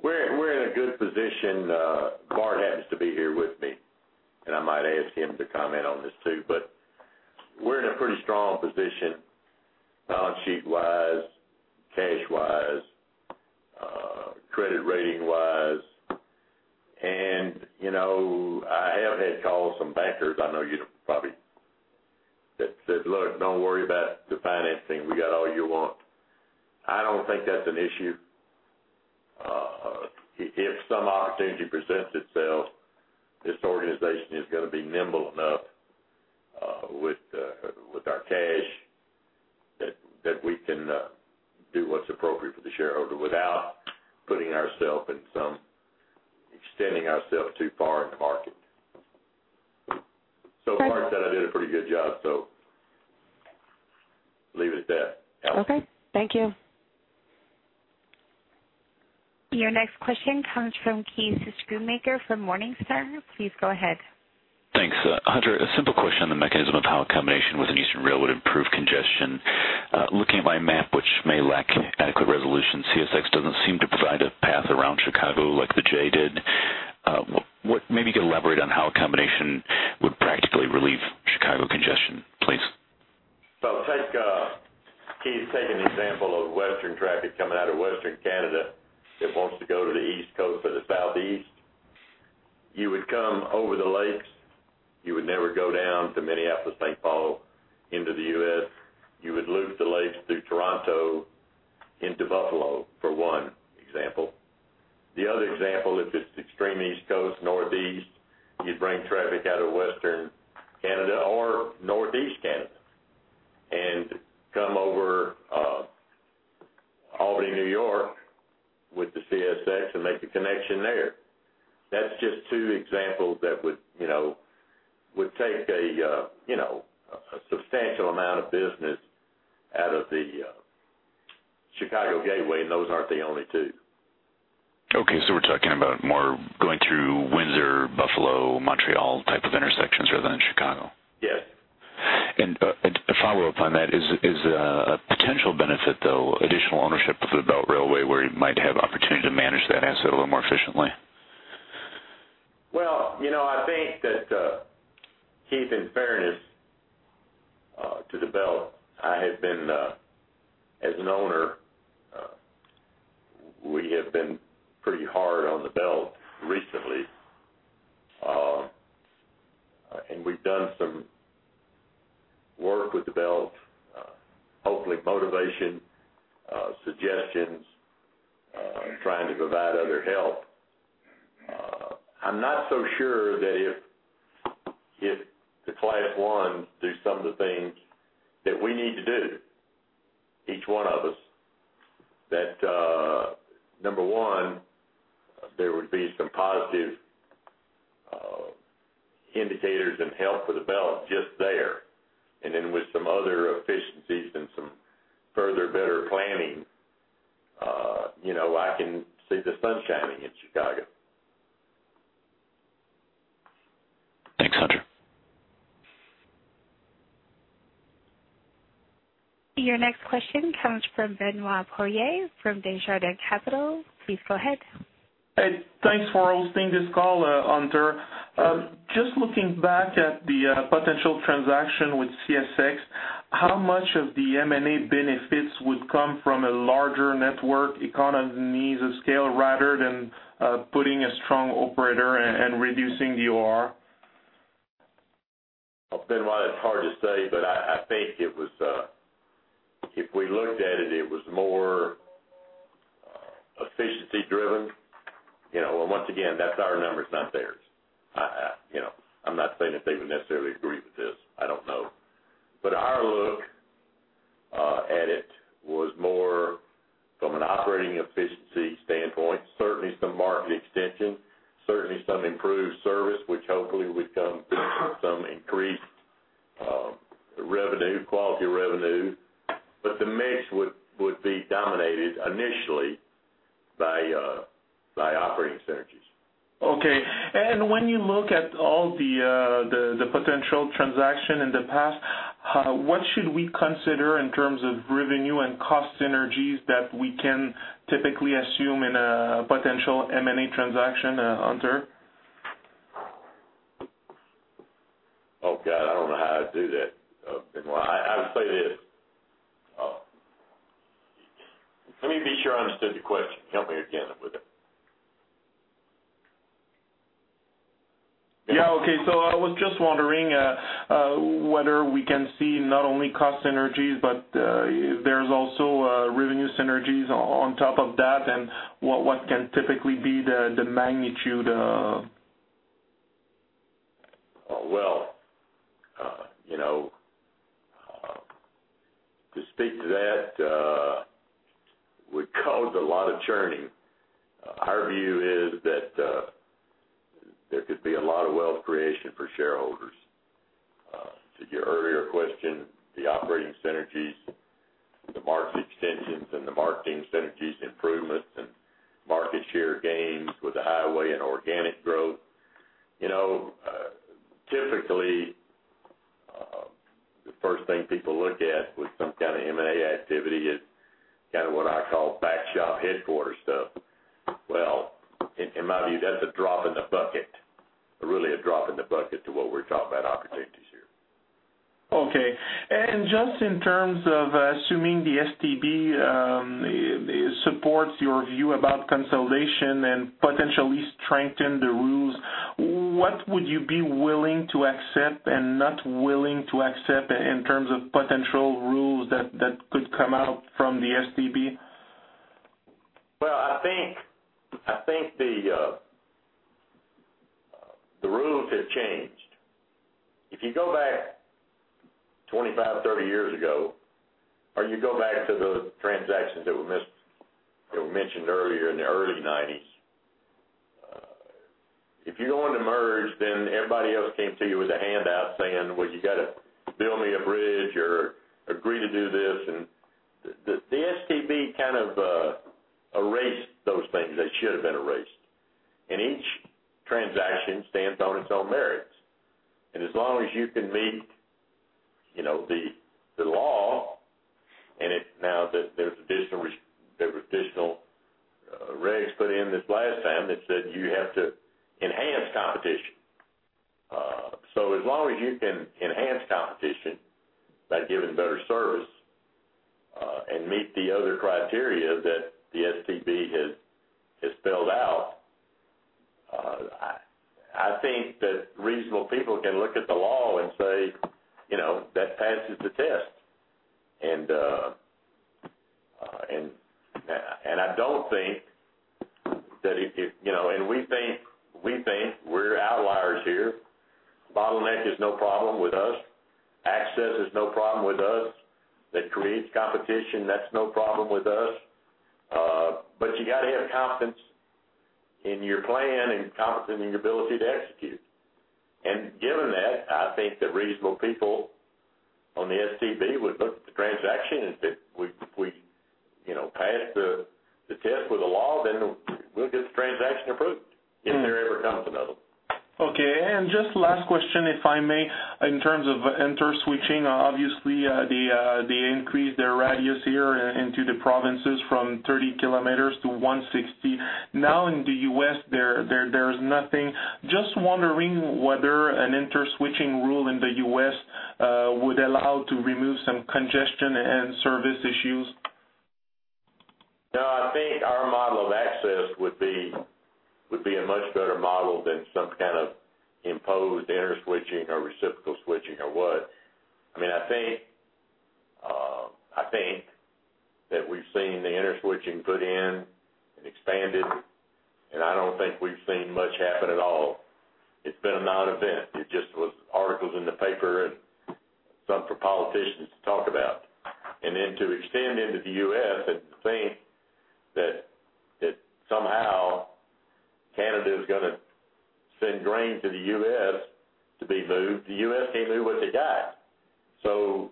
We're in a good position. Bart happens to be here with me, and I might ask him to comment on this, too, but we're in a pretty strong position, balance sheet-wise, cash-wise, credit rating-wise. You know, I have had calls from bankers, I know you probably, that said, "Look, don't worry about the financing. We got all you want." I don't think that's an issue. If some opportunity presents itself, this organization is gonna be nimble enough, with our cash, that we can do what's appropriate for the shareholder without putting ourself in some-extending ourself too far in the market. But- So far, I said I did a pretty good job, so leave it at that. Okay, thank you. Your next question comes from Keith Schoonmaker from Morningstar. Please go ahead. Thanks. Hunter, a simple question on the mechanism of how a combination with an Eastern Rail would improve congestion. Looking at my map, which may lack adequate resolution, CSX doesn't seem to provide a path around Chicago like the J did. What, maybe you can elaborate on how a combination would practically relieve Chicago congestion, please? So take, Keith, take an example of Western traffic coming out of Western Canada that wants to go to the East Coast or the Southeast. You would come over the lakes. You would never go down to Minneapolis, St. Paul, into the U.S. You would loop the lakes through Toronto into Buffalo, for one example. The other example, if it's extreme East Coast, Northeast, you'd bring traffic out of Western Canada or Northeast Canada and come over, Albany, New York, with the CSX and make a connection there. That's just two examples that would, you know, would take a, you know, a substantial amount of business out of the, Chicago gateway, and those aren't the only two. Okay, so we're talking about more going through Windsor, Buffalo, Montreal, type of intersections rather than Chicago? Yes. To follow up on that, is a potential benefit, though, additional ownership of the Belt Railway, where you might have opportunity to manage that asset a little more efficiently? Well, you know, I think that, Keith, in fairness, to the Belt, I have been, as an owner, we have been pretty hard on the Belt recently. And we've done some work with the Belt, hopefully motivation, suggestions, trying to provide other help. I'm not so sure that if the Class I do some of the things that we need to do, each one of us, that, number one, there would be some positive, indicators and help for the Belt just there. And then with some other efficiencies and some further better planning, you know, I can see the sun shining in Chicago. Thanks, Hunter. Your next question comes from Benoit Poirier, from Desjardins Capital. Please go ahead. Hey, thanks for hosting this call, Hunter. Just looking back at the potential transaction with CSX, how much of the M&A benefits would come from a larger network, economies of scale, rather than putting a strong operator and reducing the OR? Well, Benoit, it's hard to say, but I think it was, if we looked at it, it was more efficiency driven. You know, and once again, that's our numbers, not theirs. I, you know, I'm not saying that they would necessarily agree with this. I don't know. But our look at it was more from an operating efficiency standpoint, certainly some market extension, certainly some improved service, which hopefully would come with some increased revenue, quality revenue. But the mix would be dominated initially by operating synergies. Okay. And when you look at all the potential transaction in the past, what should we consider in terms of revenue and cost synergies that we can typically assume in a potential M&A transaction, Hunter? Oh, God, I don't know how I'd do that, Benoit. I would say this. Let me be sure I understood your question. Help me again with it. Yeah. Okay. So I was just wondering whether we can see not only cost synergies, but if there's also revenue synergies on top of that, and what can typically be the magnitude of? Well, you know, to speak to that would cause a lot of churning. Our view is that there could be a lot of wealth creation for shareholders. To your earlier question, the operating synergies, the market extensions and the marketing synergies, improvements and market share gains with the highway and organic growth. You know, typically, the first thing people look at with some kind of M&A activity is kind of what I call back shop headquarters stuff. Well, in, in my view, that's a drop in the bucket. Really a drop in the bucket to what we're talking about opportunities here.... Okay. And just in terms of assuming the STB supports your view about consolidation and potentially strengthen the rules, what would you be willing to accept and not willing to accept in terms of potential rules that could come out from the STB? Well, I think, I think the rules have changed. If you go back 25, 30 years ago, or you go back to the transactions that were mentioned earlier in the early 1990s, if you're going to merge, then everybody else came to you with a handout saying: "Well, you got to build me a bridge or agree to do this." And the STB kind of erased those things. They should have been erased. And each transaction stands on its own merits. And as long as you can meet, you know, the law, and now that there was additional regs put in this last time that said you have to enhance competition. So as long as you can enhance competition by giving better service, and meet the other criteria that the STB has spelled out, I think that reasonable people can look at the law and say, you know, that passes the test. And I don't think that it... You know, and we think we're outliers here. Bottleneck is no problem with us. Access is no problem with us. That creates competition, that's no problem with us. But you got to have confidence in your plan and confidence in your ability to execute. And given that, I think that reasonable people on the STB would look at the transaction and say, we, you know, passed the test with the law, then we'll get the transaction approved, if there ever comes another one. Okay. And just last question, if I may. In terms of interswitching, obviously, they increased their radius here into the provinces from 30 kilometers to 160. Now, in the U.S., there, there's nothing. Just wondering whether an interswitching rule in the U.S. would allow to remove some congestion and service issues? No, I think our model of access would be, would be a much better model than some kind of imposed interswitching or reciprocal switching or what. I mean, I think, I think that we've seen the interswitching put in and expanded, and I don't think we've seen much happen at all. It's been a non-event. It just was articles in the paper and something for politicians to talk about. And then to extend into the US and think that, that somehow Canada is going to send grain to the US to be moved, the US can't move what they got. So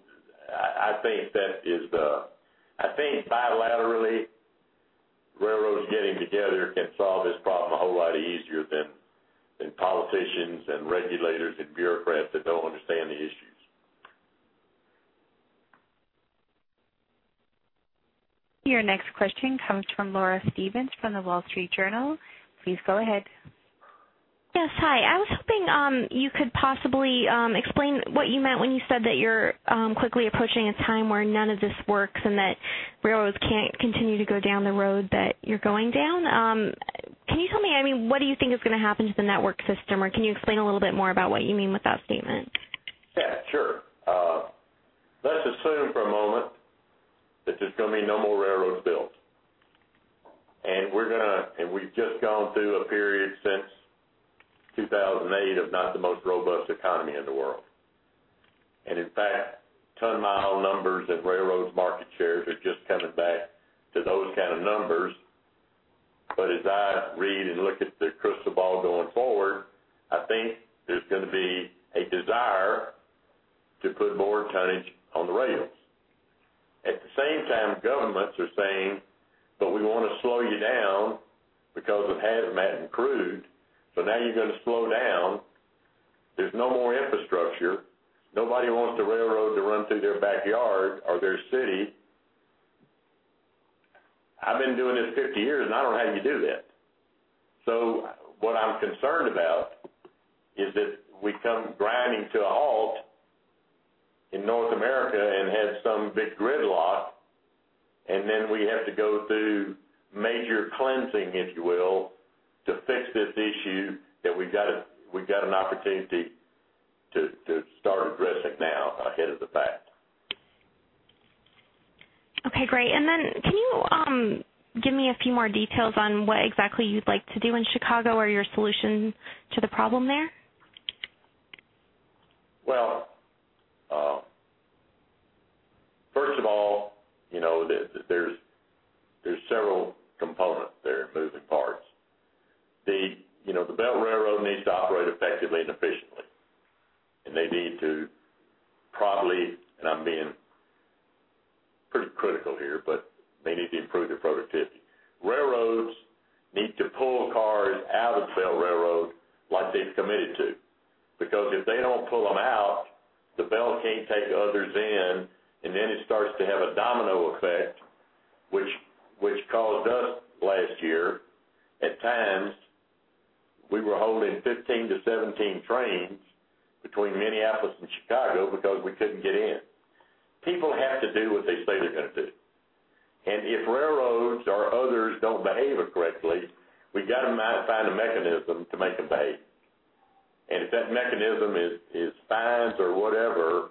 I, I think that is the... I think bilaterally, railroads getting together can solve this problem a whole lot easier than, than politicians and regulators and bureaucrats that don't understand the issues. Your next question comes from Laura Stevens from The Wall Street Journal. Please go ahead. Yes, hi. I was hoping you could possibly explain what you meant when you said that you're quickly approaching a time where none of this works and that railroads can't continue to go down the road that you're going down. Can you tell me, I mean, what do you think is going to happen to the network system, or can you explain a little bit more about what you mean with that statement? Yeah, sure. Let's assume for a moment that there's going to be no more railroads built, and we've just gone through a period since 2008 of not the most robust economy in the world. And in fact, ton-mile numbers and railroads market shares are just coming back to those kind of numbers. But as I read and look at the crystal ball going forward, I think there's going to be a desire to put more tonnage on the rails. At the same time, governments are saying: "But we want to slow you down because of hazmat and crude, so now you're going to slow down." There's no more infrastructure. Nobody wants the railroad to run through their backyard or their city. I've been doing this 50 years, and I don't have you do that. So what I'm concerned about is that we come grinding to a halt in North America and have some big gridlock, and then we have to go through major cleansing, if you will, to fix this issue that we've got. We've got an opportunity to start addressing now ahead of the fact. Okay, great. And then can you give me a few more details on what exactly you'd like to do in Chicago or your solution to the problem there? Well, first of all, you know, there's several components there, moving parts. You know, the Belt Railroad needs to operate effectively and efficiently, and they need to probably, and I'm being pretty critical here, but they need to improve their productivity. Railroads need to pull cars out of the Belt Railroad like they've committed to, because if they don't pull them out, the Belt can't take others in, and then it starts to have a domino effect, holding 15-17 trains between Minneapolis and Chicago because we couldn't get in. People have to do what they say they're gonna do. And if railroads or others don't behave correctly, we've got to find a mechanism to make them behave. And if that mechanism is fines or whatever,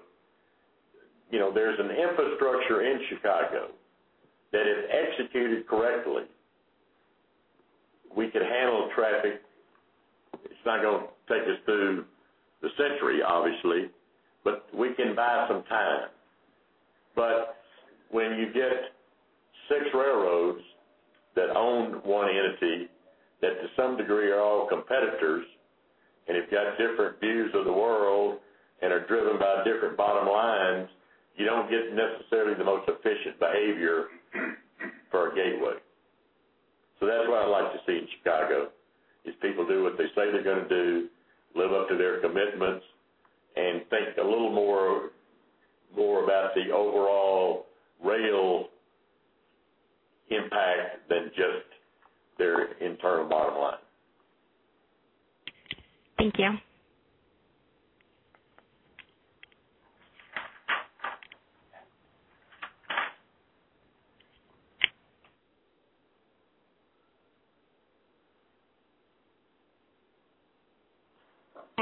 you know, there's an infrastructure in Chicago that if executed correctly, we could handle traffic. It's not gonna take us through the century, obviously, but we can buy some time. But when you get six railroads that own one entity, that to some degree are all competitors, and they've got different views of the world and are driven by different bottom lines, you don't get necessarily the most efficient behavior for a gateway. So that's what I'd like to see in Chicago, is people do what they say they're gonna do, live up to their commitments, and think a little more, more about the overall rail impact than just their internal bottom line. Thank you.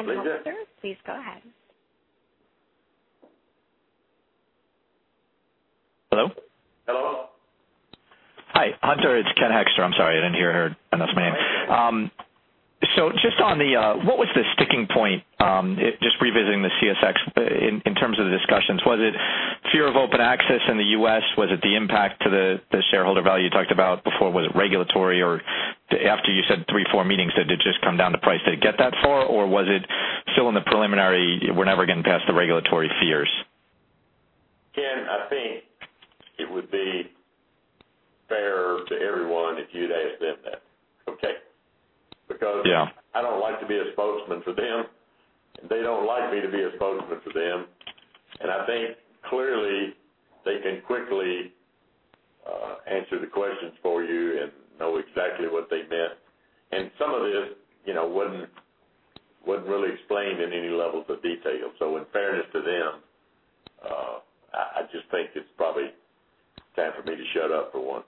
Hunter, please go ahead. Hello? Hello. Hi, Hunter. It's Ken Hoexter. I'm sorry, I didn't hear her announce my name. So just on the... What was the sticking point, just revisiting the CSX, in, in terms of the discussions? Was it fear of open access in the U.S.? Was it the impact to the, the shareholder value you talked about before? Was it regulatory, or after you said 3, 4 meetings, did it just come down to price to get that far? Or was it still in the preliminary, we're never getting past the regulatory fears? Ken, I think it would be fair to everyone if you'd ask them that, okay? Yeah. Because I don't like to be a spokesman for them, and they don't like me to be a spokesman for them. And I think clearly, they can quickly answer the questions for you and know exactly what they meant. And some of this, you know, wasn't really explained in any level of detail. So in fairness to them, I just think it's probably time for me to shut up for once.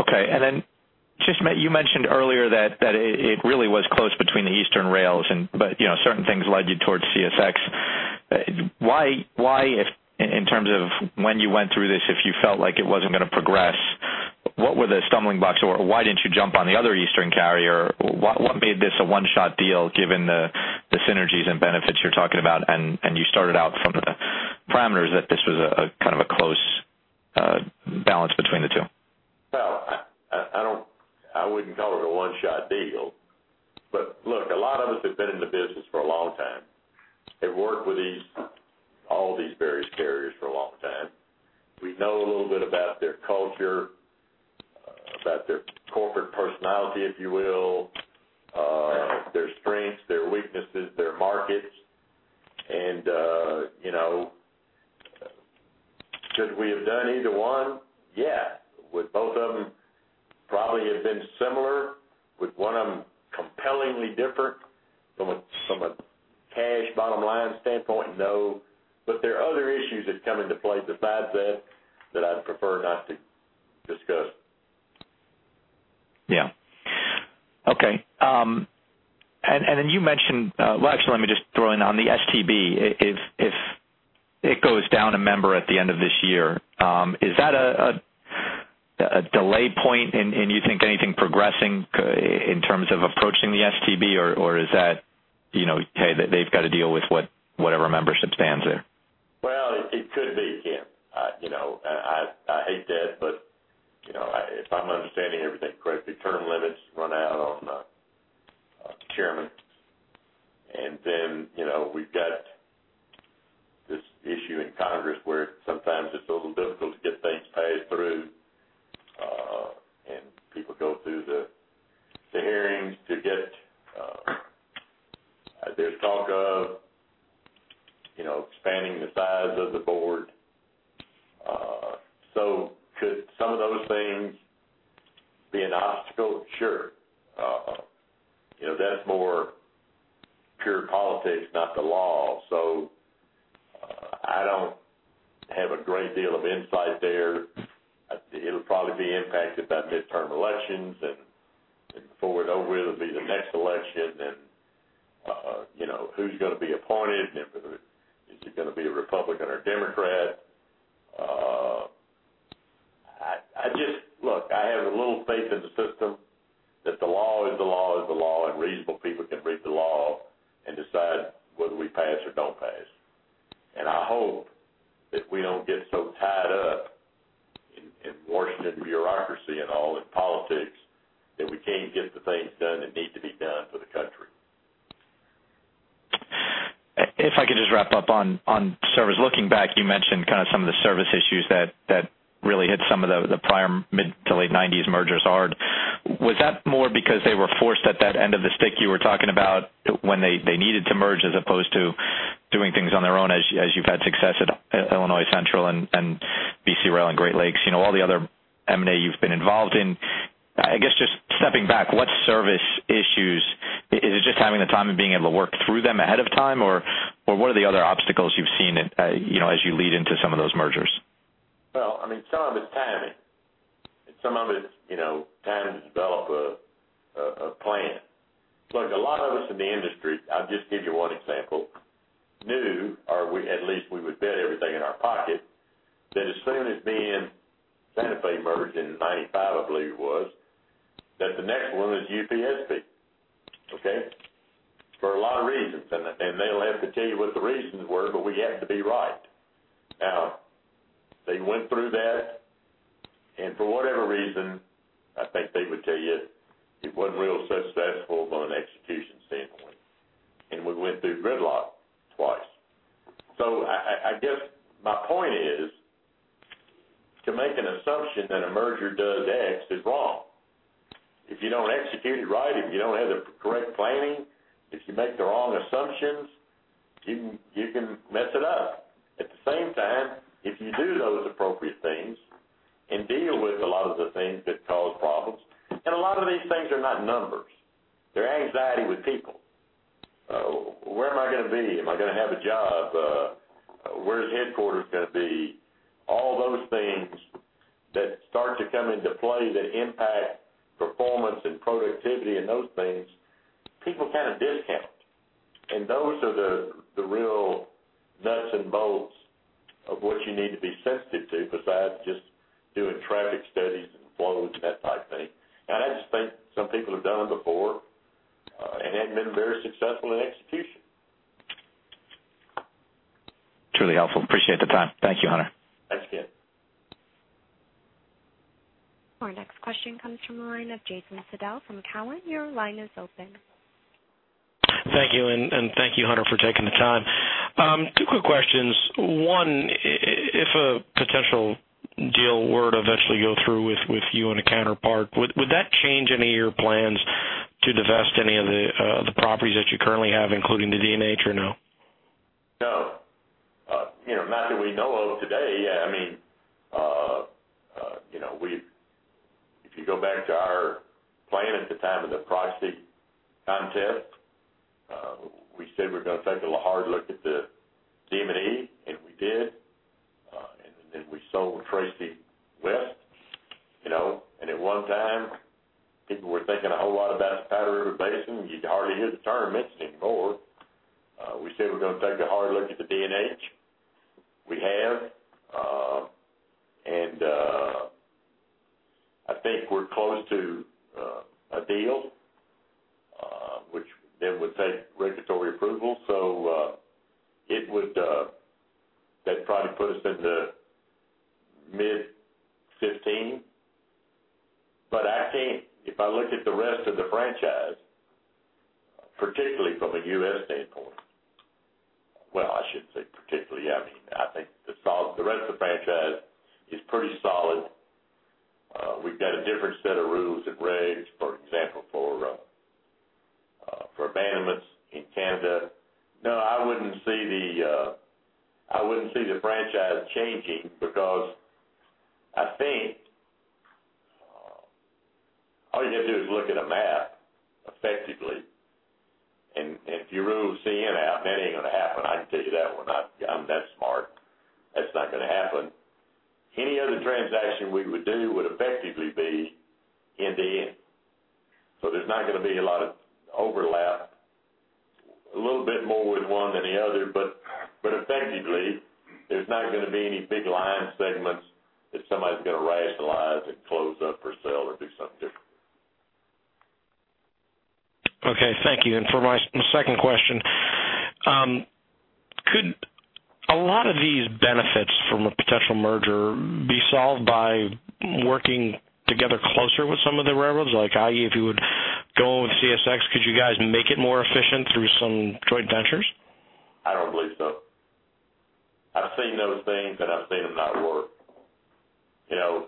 Okay. And then just you mentioned earlier that it really was close between the Eastern rails, but you know, certain things led you towards CSX. Why, if in terms of when you went through this, if you felt like it wasn't going to progress, what were the stumbling blocks, or why didn't you jump on the other Eastern carrier? What made this a one-shot deal, given the synergies and benefits you're talking about, and you started out some of the parameters that this was a kind of a close balance between the two? Well, I don't-- I wouldn't call it a one-shot deal, but look, a lot of us have been in the business for a long time and worked with these, all these various carriers for a long time. We know a little bit about their culture, about their corporate personality, if you will, their strengths, their weaknesses, their markets. And, you know, could we have done either one? Yeah. Would both of them probably have been similar? Would one of them compellingly different from a, from a cash bottom line standpoint? No, but there are other issues that come into play besides that, that I'd prefer not to discuss. Yeah. Okay, and then you mentioned... Well, actually, let me just throw in, on the STB, if it goes down a member at the end of this year, is that a delay point in you think anything progressing in terms of approaching the STB? Or is that, you know, hey, they've got to deal with whatever membership stands there? Well, it could be, Ken. You know, I hate that, but, you know, I—if I'm understanding everything correctly, term limits run out on the chairman. And then, you know, we've got this issue in Congress where sometimes it's a little difficult to get things passed through, and people go through the hearings to get, there's talk of, you know, expanding the size of the board. So could some of those things be an obstacle? Sure. You know, that's more pure politics, not the law. So I don't have a great deal of insight there. It'll probably be impacted by midterm elections, and forward over, it'll be the next election, and, you know, who's gonna be appointed, and is it gonna be a Republican or Democrat? Look, I have a little faith in the system that the law is the law, is the law, and reasonable people can read the law and decide whether we pass or don't pass. I hope that we don't get so tied up in Washington bureaucracy and all in politics, that we can't get the things done that need to be done for the country. If I could just wrap up on service. Looking back, you mentioned kind of some of the service issues that really hit some of the prior mid to late nineties mergers hard. Was that more because they were forced at that end of the stick you were talking about when they needed to merge as opposed to doing things on their own, as you've had success at Illinois Central and CSX, CP Rail and Great Lakes, you know, all the other M&A you've been involved in? I guess just stepping back, what service issues? Is it just having the time and being able to work through them ahead of time, or what are the other obstacles you've seen, you know, as you lead into some of those mergers? Well, I mean, some of it's timing. Some of it's, you know, time to develop a plan. Look, a lot of us in the industry, I'll just give you one example, knew, or at least we would bet everything in our pocket, that as soon as BNSF merged in 1995, I believe it was, that the next one was UPSP, okay? For a lot of reasons, and they'll have to tell you what the reasons were, but we happened to be right. Now, they went through that, and for whatever reason, I think they would tell you it wasn't real successful from an execution standpoint, and we went through gridlock twice. So I guess my point is, to make an assumption that a merger does X is wrong. If you don't execute it right, if you don't have the correct planning, if you make the wrong assumptions, you can, you can mess it up. At the same time, if you do those appropriate things and deal with a lot of the things that cause problems, and a lot of these things are not numbers. They're anxiety with people. Where am I gonna be? Am I gonna have a job? Where's headquarters gonna be? All those things that start to come into play that impact performance and productivity and those things, people kind of discount. And those are the, the real nuts and bolts of what you need to be sensitive to, besides just doing traffic studies and flows and that type of thing. And I just think some people have done it before, and hadn't been very successful in execution. Truly helpful. Appreciate the time. Thank you, Hunter. Thanks, Ken. Our next question comes from the line of Jason Seidel from Cowen. Your line is open. Thank you, and thank you, Hunter, for taking the time. Two quick questions. One, if a potential deal were to eventually go through with you and a counterpart, would that change any of your plans to divest any of the properties that you currently have, including the D&H, or no? No. You know, not that we know of today. I mean, you know, if you go back to our plan at the time of the proxy contest, we said we're gonna take a hard look at the D&H, and we did. And then we sold Tracy West, you know, and at one time, people were thinking a whole lot about Powder River Basin. You hardly hear the term mentioned anymore. We said we're gonna take a hard look at the D&H. We have, and, I think we're close to a deal, which then would take regulatory approval. So, it would, that'd probably put us into mid-2015. But I think if I look at the rest of the franchise, particularly from a U.S. standpoint... Well, I shouldn't say particularly, I mean, I think the rest of the franchise is pretty solid. We've got a different set of rules and regs, for example, for abandonments in Canada. No, I wouldn't see the franchise changing because I think all you gotta do is look at a map effectively, and if you rule CN out, that ain't gonna happen, I can tell you that one. I'm that smart. That's not gonna happen. Any other transaction we would do would effectively be end to end. So there's not gonna be a lot of overlap, a little bit more with one than the other, but effectively, there's not gonna be any big line segments that somebody's gonna rationalize and close up or sell or do something different. Okay, thank you. And for my second question, could a lot of these benefits from a potential merger be solved by working together closer with some of the railroads? Like, i.e., if you would go with CSX, could you guys make it more efficient through some joint ventures? I don't believe so. I've seen those things, and I've seen them not work. You know,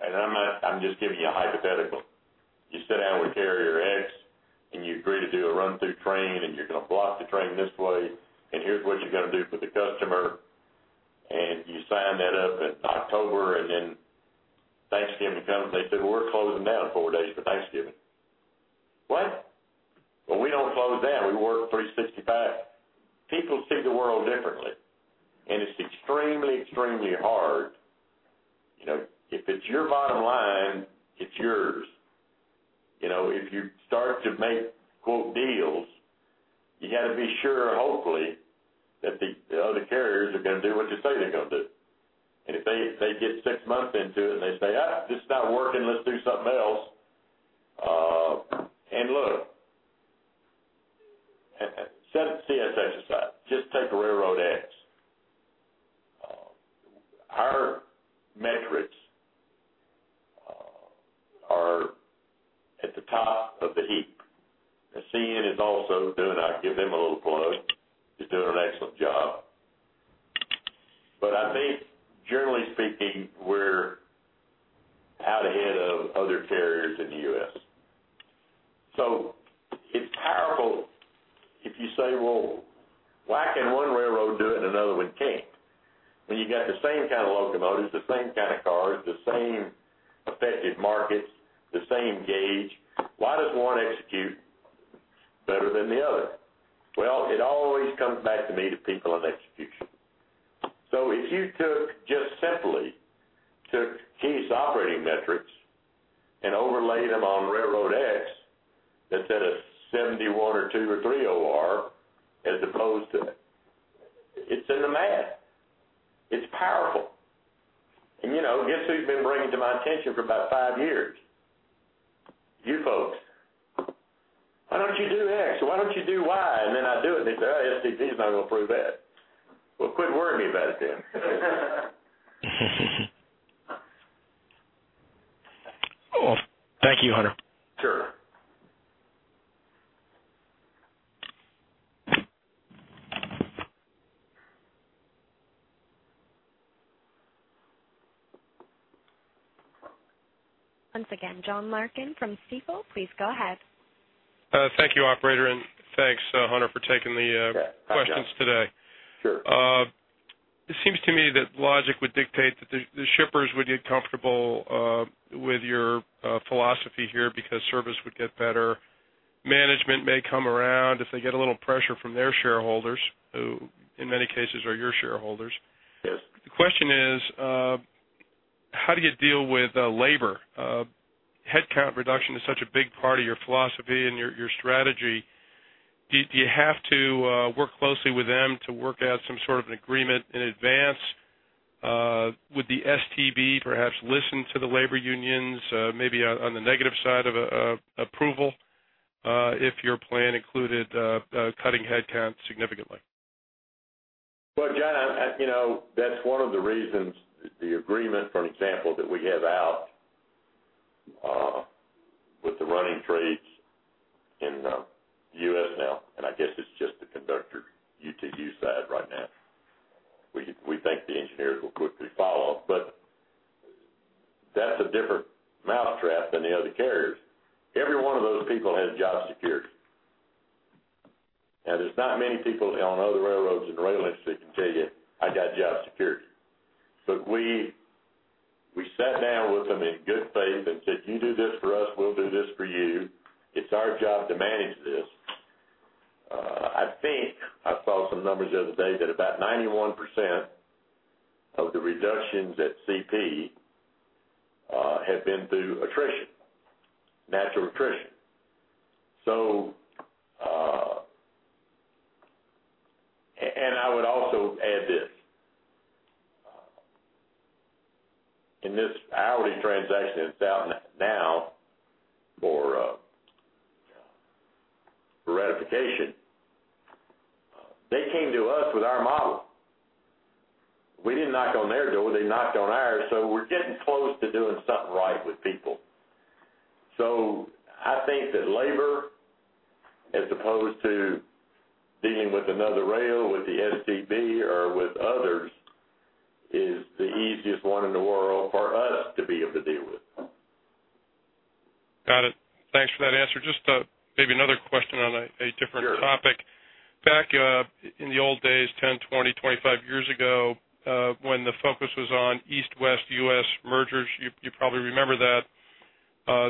and I'm not—I'm just giving you a hypothetical. You sit down with carrier X, and you agree to do a run-through train, and you're gonna block the train this way, and here's what you're gonna do for the customer, and you sign that up in October, and then Thanksgiving comes, and they say, "Well, we're closing down 4 days for Thanksgiving." What? Well, we don't close down. We work 365. People see the world differently, and it's extremely, extremely hard. You know, if it's your bottom line, it's yours. You know, if you start to make, quote, "deals," you gotta be sure, hopefully, that the, the other carriers are gonna do what you say they're gonna do. And if they get six months into it, and they say, "Ah, this is not working. Let's do something else." And look, set CSX aside, just take a railroad X. Our metrics are at the top of the heap, and CN is also doing... I'll give them a little plug, is doing an excellent job. But I think generally speaking, so it's powerful if you say, well, why can one railroad do it and another one can't? When you got the same kind of locomotives, the same kind of cars, the same affected markets, the same gauge, why does one execute better than the other? Well, it always comes back to me, to people and execution. So if you took, just simply took key operating metrics and overlaid them on railroad X, that's at a 71 or 72 or 73 OR as opposed to. It's in the math, it's powerful. And, you know, guess who's been bringing it to my attention for about 5 years? You folks. Why don't you do X? Why don't you do Y? And then I do it, and they say, "Oh, STB is not going to approve that." Well, quit worrying me about it then. Well, thank you, Hunter. Sure. Once again, John Larkin from Stifel, please go ahead. Thank you, operator, and thanks, Hunter, for taking the questions today. Sure. It seems to me that logic would dictate that the shippers would get comfortable with your philosophy here, because service would get better. Management may come around if they get a little pressure from their shareholders, who in many cases are your shareholders. Yes. The question is, how do you deal with labor? Headcount reduction is such a big part of your philosophy and your strategy. Do you have to work closely with them to work out some sort of an agreement in advance? Would the STB perhaps listen to the labor unions, maybe on the negative side of approval, if your plan included cutting headcount significantly? Well, John, you know, that's one of the reasons the agreement, for an example, that we have out with the running trades in the U.S. now, and I guess it's just the conductor UTU side right now. We think the engineers will quickly follow. But that's a different mousetrap than the other carriers. Every one of those people has job security. Now, there's not many people on other railroads and rail lists that can tell you, "I got job security." But we sat down with them in good faith and said, "You do this for us, we'll do this for you. It's our job to manage this." I think I saw some numbers the other day that about 91% of the reductions at CP have been through attrition, natural attrition. So... And I would also add this, in this hourly transaction that's out now for ratification, they came to us with our model. We didn't knock on their door; they knocked on ours. So we're getting close to doing something right with people. So I think that labor, as opposed to dealing with another rail, with the STB or with others, is the easiest one in the world for us to be able to deal with. Got it. Thanks for that answer. Just, maybe another question on a different topic. Sure. Back in the old days, 10, 20, 25 years ago, when the focus was on East-West U.S. mergers, you, you probably remember that,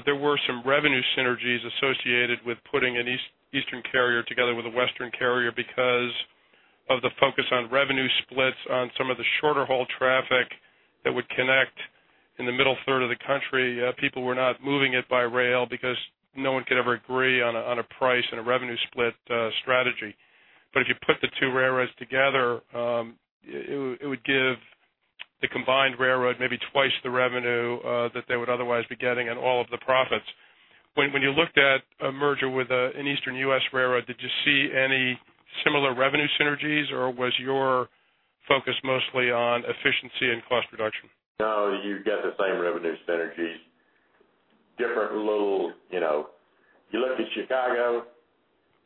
there were some revenue synergies associated with putting an eastern carrier together with a western carrier. Because of the focus on revenue splits on some of the shorter haul traffic that would connect in the middle third of the country, people were not moving it by rail because no one could ever agree on a, on a price and a revenue split, strategy. But if you put the two railroads together, it would give the combined railroad maybe twice the revenue, that they would otherwise be getting and all of the profits. When you looked at a merger with an Eastern U.S. railroad, did you see any similar revenue synergies, or was your focus mostly on efficiency and cost reduction? No, you've got the same revenue synergies, different little... You know, you look at Chicago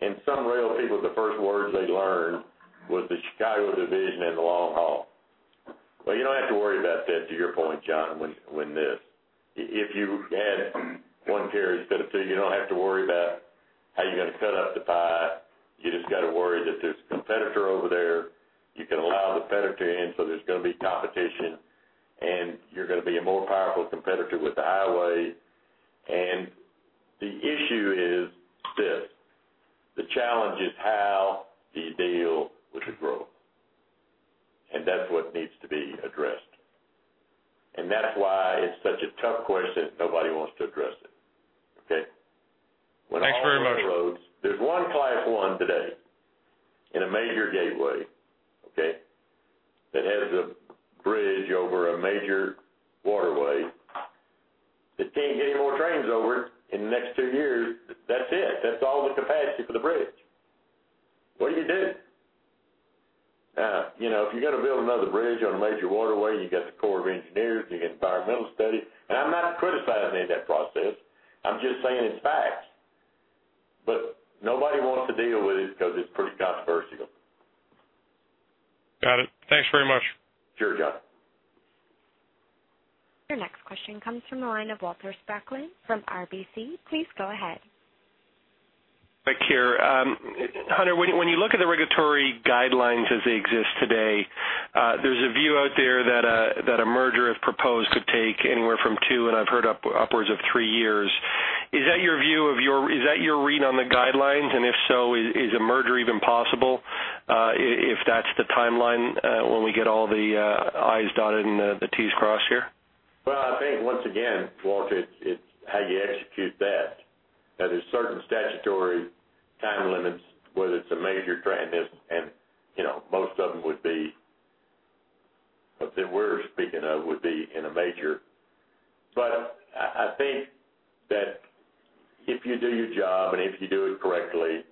and some rail people, the first words they learned was the Chicago division and the long haul. Well, you don't have to worry about that, to your point, John, when, when this. If you add one carrier instead of two, you don't have to worry about how you're going to cut up the pie. You just got to worry that there's a competitor over there. You can allow the competitor in, so there's going to be competition, and you're going to be a more powerful competitor with the highway. And the issue is this: the challenge is how do you deal with the growth? And that's what needs to be addressed. And that's why it's such a tough question, nobody wants to address it, okay? Thanks very much. There's one Class I today in a major gateway, okay, that has a bridge over a major waterway that can't get any more trains over it in the next two years. That's it. That's all the capacity for the bridge. What do you do? Now, you know, if you're going to build another bridge on a major waterway, you got the Corps of Engineers, you got environmental studies. And I'm not criticizing any of that process, I'm just saying it's fact. But nobody wants to deal with it because it's pretty controversial. Got it. Thanks very much.... Your next question comes from the line of Walter Spracklin from RBC. Please go ahead. Thank you. Hunter, when you look at the regulatory guidelines as they exist today, there's a view out there that a merger, if proposed, could take anywhere from 2, and I've heard upwards of 3 years. Is that your view or your read on the guidelines? And if so, is a merger even possible, if that's the timeline, when we get all the I's dotted and the T's crossed here? Well, I think, once again, Walter, it's, it's how you execute that. Now, there's certain statutory time limits, whether it's a major merger, and, you know, most of them would be, that we're speaking of, would be in a merger. But I, I think that if you do your job and if you do it correctly,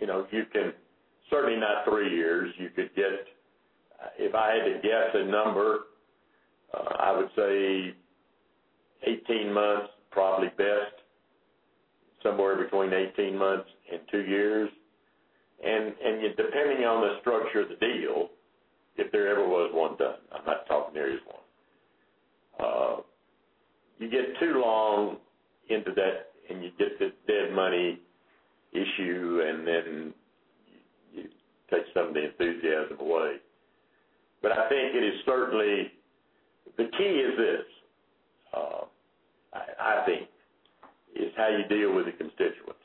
you know, you can certainly not 3 years, you could get... If I had to guess a number, I would say 18 months, probably best, somewhere between 18 months and 2 years. And, and depending on the structure of the deal, if there ever was one done, I'm not talking there is one. You get too long into that, and you get this dead money issue, and then it takes some of the enthusiasm away. But I think it is certainly the key is this, I think, is how you deal with the constituents.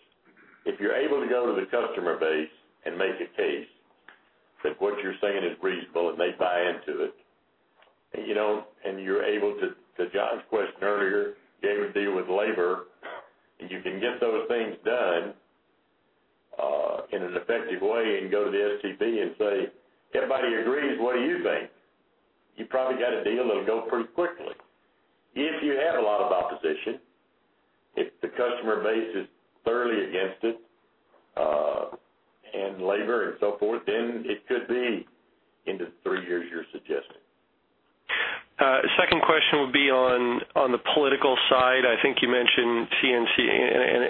If you're able to go to the customer base and make a case that what you're saying is reasonable and they buy into it, and you know, and you're able to, to John's question earlier, be able to deal with labor, and you can get those things done in an effective way and go to the STB and say, "Everybody agrees. What do you think?" You probably got a deal that'll go pretty quickly. If you had a lot of opposition, if the customer base is thoroughly against it, and labor and so forth, then it could be into three years you're suggesting. Second question would be on, on the political side. I think you mentioned CN,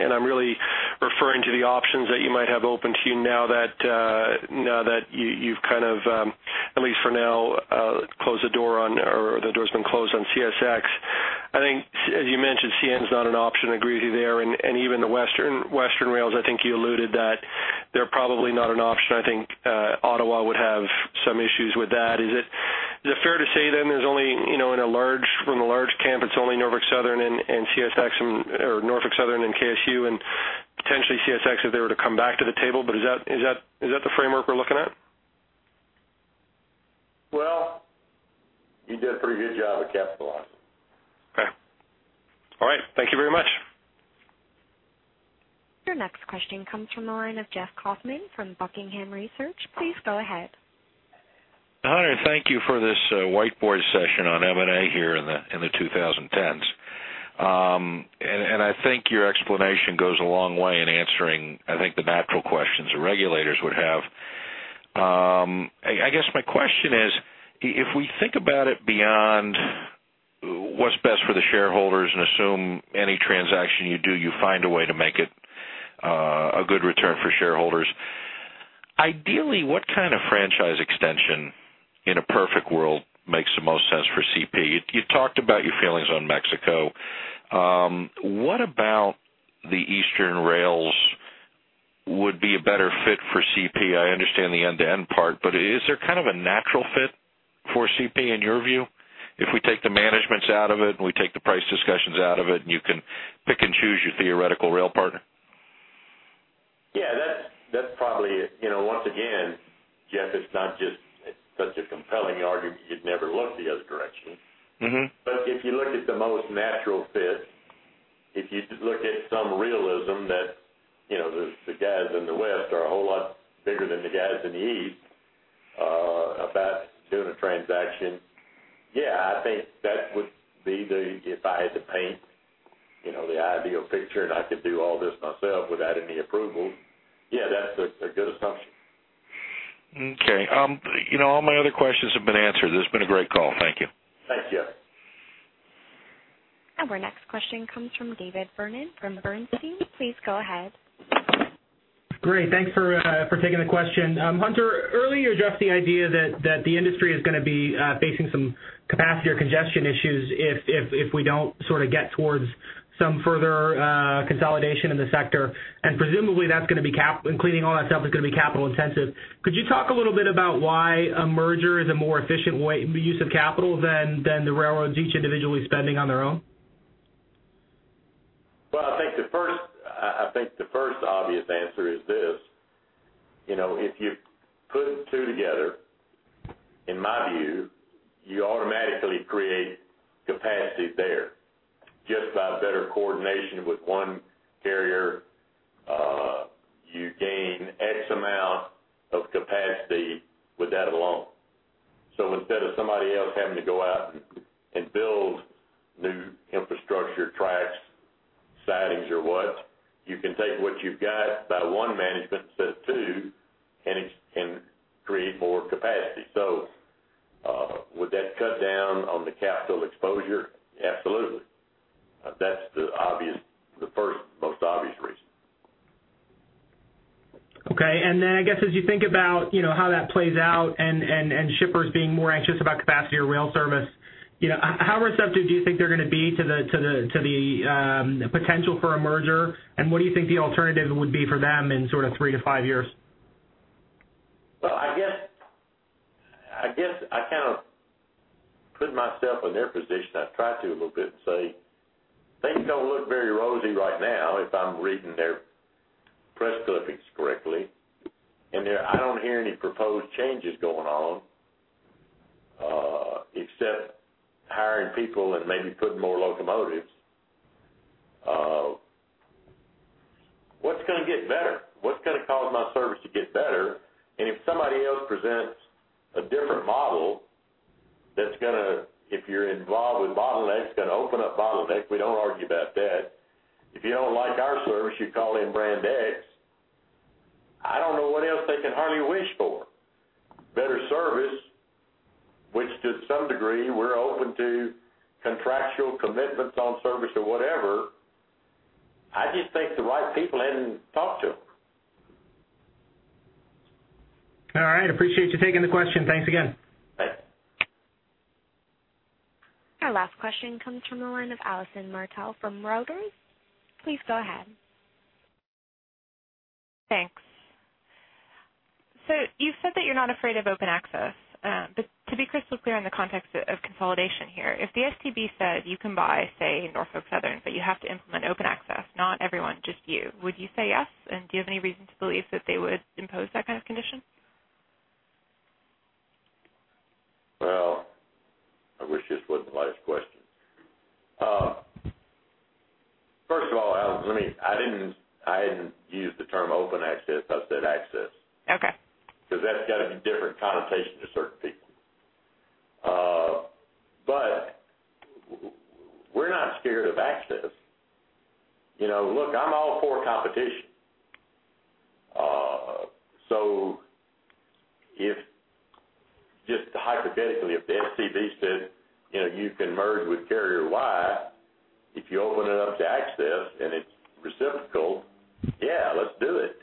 and I'm really referring to the options that you might have open to you now that now that you've kind of at least for now closed the door on or the door's been closed on CSX. I think, as you mentioned, CN's not an option. I agree with you there. And even the Western Rails, I think you alluded that they're probably not an option. I think Ottawa would have some issues with that. Is it fair to say then there's only, you know, in a large, from a large camp, it's only Norfolk Southern and CSX, or Norfolk Southern and KCS, and potentially CSX, if they were to come back to the table, but is that the framework we're looking at? Well, you did a pretty good job of capitalizing. Okay. All right. Thank you very much. Your next question comes from the line of Jeff Kaufman from Buckingham Research. Please go ahead. Hunter, thank you for this whiteboard session on M&A here in the 2010s. And I think your explanation goes a long way in answering, I think, the natural questions the regulators would have. I guess my question is: If we think about it beyond what's best for the shareholders and assume any transaction you do, you find a way to make it a good return for shareholders. Ideally, what kind of franchise extension in a perfect world makes the most sense for CP? You talked about your feelings on Mexico. What about the eastern rails would be a better fit for CP? I understand the end-to-end part, but is there kind of a natural fit for CP, in your view, if we take the managements out of it, and we take the price discussions out of it, and you can pick and choose your theoretical rail partner? Yeah, that's probably, you know, once again, Jeff, it's not just such a compelling argument. You'd never look the other direction. Mm-hmm. But if you look at the most natural fit, if you look at some realism that, you know, the guys in the west are a whole lot bigger than the guys in the east about doing a transaction. Yeah, I think that would be the, if I had to paint, you know, the ideal picture, and I could do all this myself without any approval. Yeah, that's a good assumption. Okay, you know, all my other questions have been answered. This has been a great call. Thank you. Thanks, Jeff. Our next question comes from David Vernon from Bernstein. Please go ahead. Great, thanks for taking the question. Hunter, earlier, you addressed the idea that the industry is going to be facing some capacity or congestion issues if we don't sort of get towards some further consolidation in the sector, and presumably that's going to be capital and cleaning all that stuff is going to be capital intensive. Could you talk a little bit about why a merger is a more efficient way, the use of capital, than the railroads each individually spending on their own? Well, I think the first obvious answer is this: You know, if you put two together, in my view, you automatically create capacity there. Just by better coordination with one carrier, you gain X amount of capacity with that alone. So instead of somebody else having to go out and build new infrastructure, tracks, sidings or what, you can take what you've got by one management instead of two, and it can create more capacity. So, would that cut down on the capital exposure? ... Okay, and then I guess as you think about, you know, how that plays out and shippers being more anxious about capacity or rail service, you know, how receptive do you think they're gonna be to the potential for a merger? And what do you think the alternative would be for them in sort of three to five years? Well, I guess, I guess I kind of put myself in their position. I've tried to a little bit and say, things don't look very rosy right now, if I'm reading their press clippings correctly. And they-- I don't hear any proposed changes going on, except hiring people and maybe putting more locomotives. What's gonna get better? What's gonna cause my service to get better? And if somebody else presents a different model, that's gonna, if you're involved with bottlenecks, gonna open up bottlenecks. We don't argue about that. If you don't like our service, you call in brand X. I don't know what else they can hardly wish for. Better service, which to some degree, we're open to contractual commitments on service or whatever. I just take the right people in and talk to them. All right, appreciate you taking the question. Thanks again. Bye. Our last question comes from the line of Allison Martell from Reuters. Please go ahead. Thanks. So you've said that you're not afraid of open access, but to be crystal clear in the context of consolidation here, if the STB says you can buy, say, Norfolk Southern, but you have to implement open access, not everyone, just you, would you say yes? And do you have any reason to believe that they would impose that kind of condition? Well, I wish this wasn't the last question. First of all, Allison, let me, I didn't, I didn't use the term open access. I said access. Okay. 'Cause that's got a different connotation to certain people. But we're not scared of access. You know, look, I'm all for competition. So if, just hypothetically, if the STB said, you know, you can merge with carrier Y, if you open it up to access and it's reciprocal, yeah, let's do it.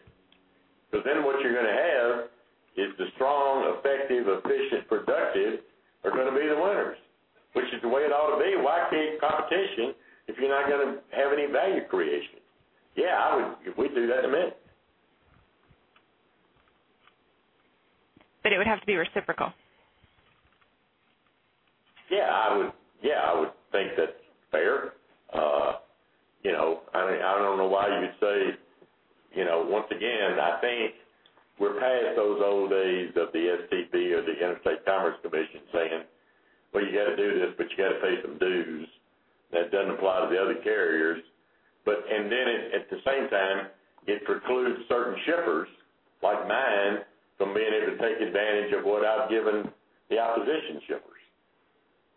Because then what you're gonna have is the strong, effective, efficient, productive are gonna be the winners, which is the way it ought to be. Why create competition if you're not gonna have any value creation? Yeah, we'd do that in a minute. But it would have to be reciprocal. Yeah, I would think that's fair. You know, I mean, I don't know why you would say, you know... Once again, I think we're past those old days of the STB or the Interstate Commerce Commission saying, "Well, you gotta do this, but you gotta pay some dues." That doesn't apply to the other carriers. But, and then at the same time, it precludes certain shippers, like mine, from being able to take advantage of what I've given the opposition shippers.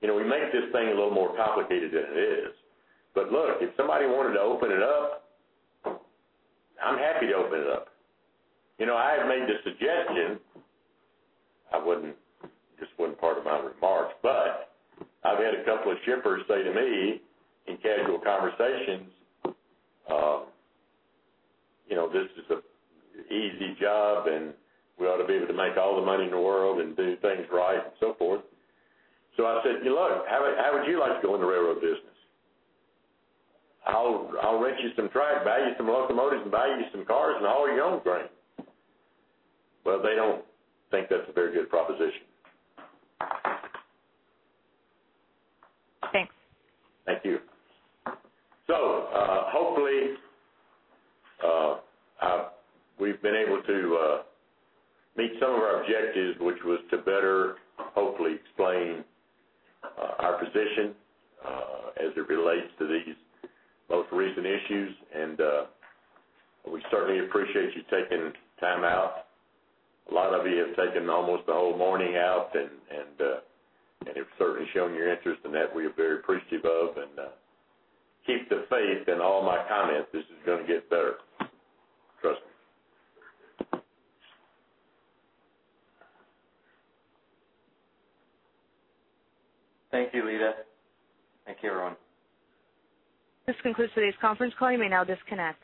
You know, we make this thing a little more complicated than it is. But look, if somebody wanted to open it up, I'm happy to open it up. You know, I have made the suggestion, I wouldn't, this wasn't part of my remarks, but I've had a couple of shippers say to me in casual conversations, you know, "This is an easy job, and we ought to be able to make all the money in the world and do things right," and so forth. So I said, "Look, how would, how would you like to go in the railroad business? I'll, I'll rent you some track, buy you some locomotives, and buy you some cars and haul your own grain." Well, they don't think that's a very good proposition. Thanks. Thank you. So, hopefully, I've—we've been able to meet some of our objectives, which was to better, hopefully, explain our position as it relates to these most recent issues. And, we certainly appreciate you taking time out. A lot of you have taken almost the whole morning out and, and, and you've certainly shown your interest, and that we are very appreciative of. And, keep the faith in all my comments. This is gonna get better. Trust me. Thank you, Lita. Thank you, everyone. This concludes today's conference call. You may now disconnect.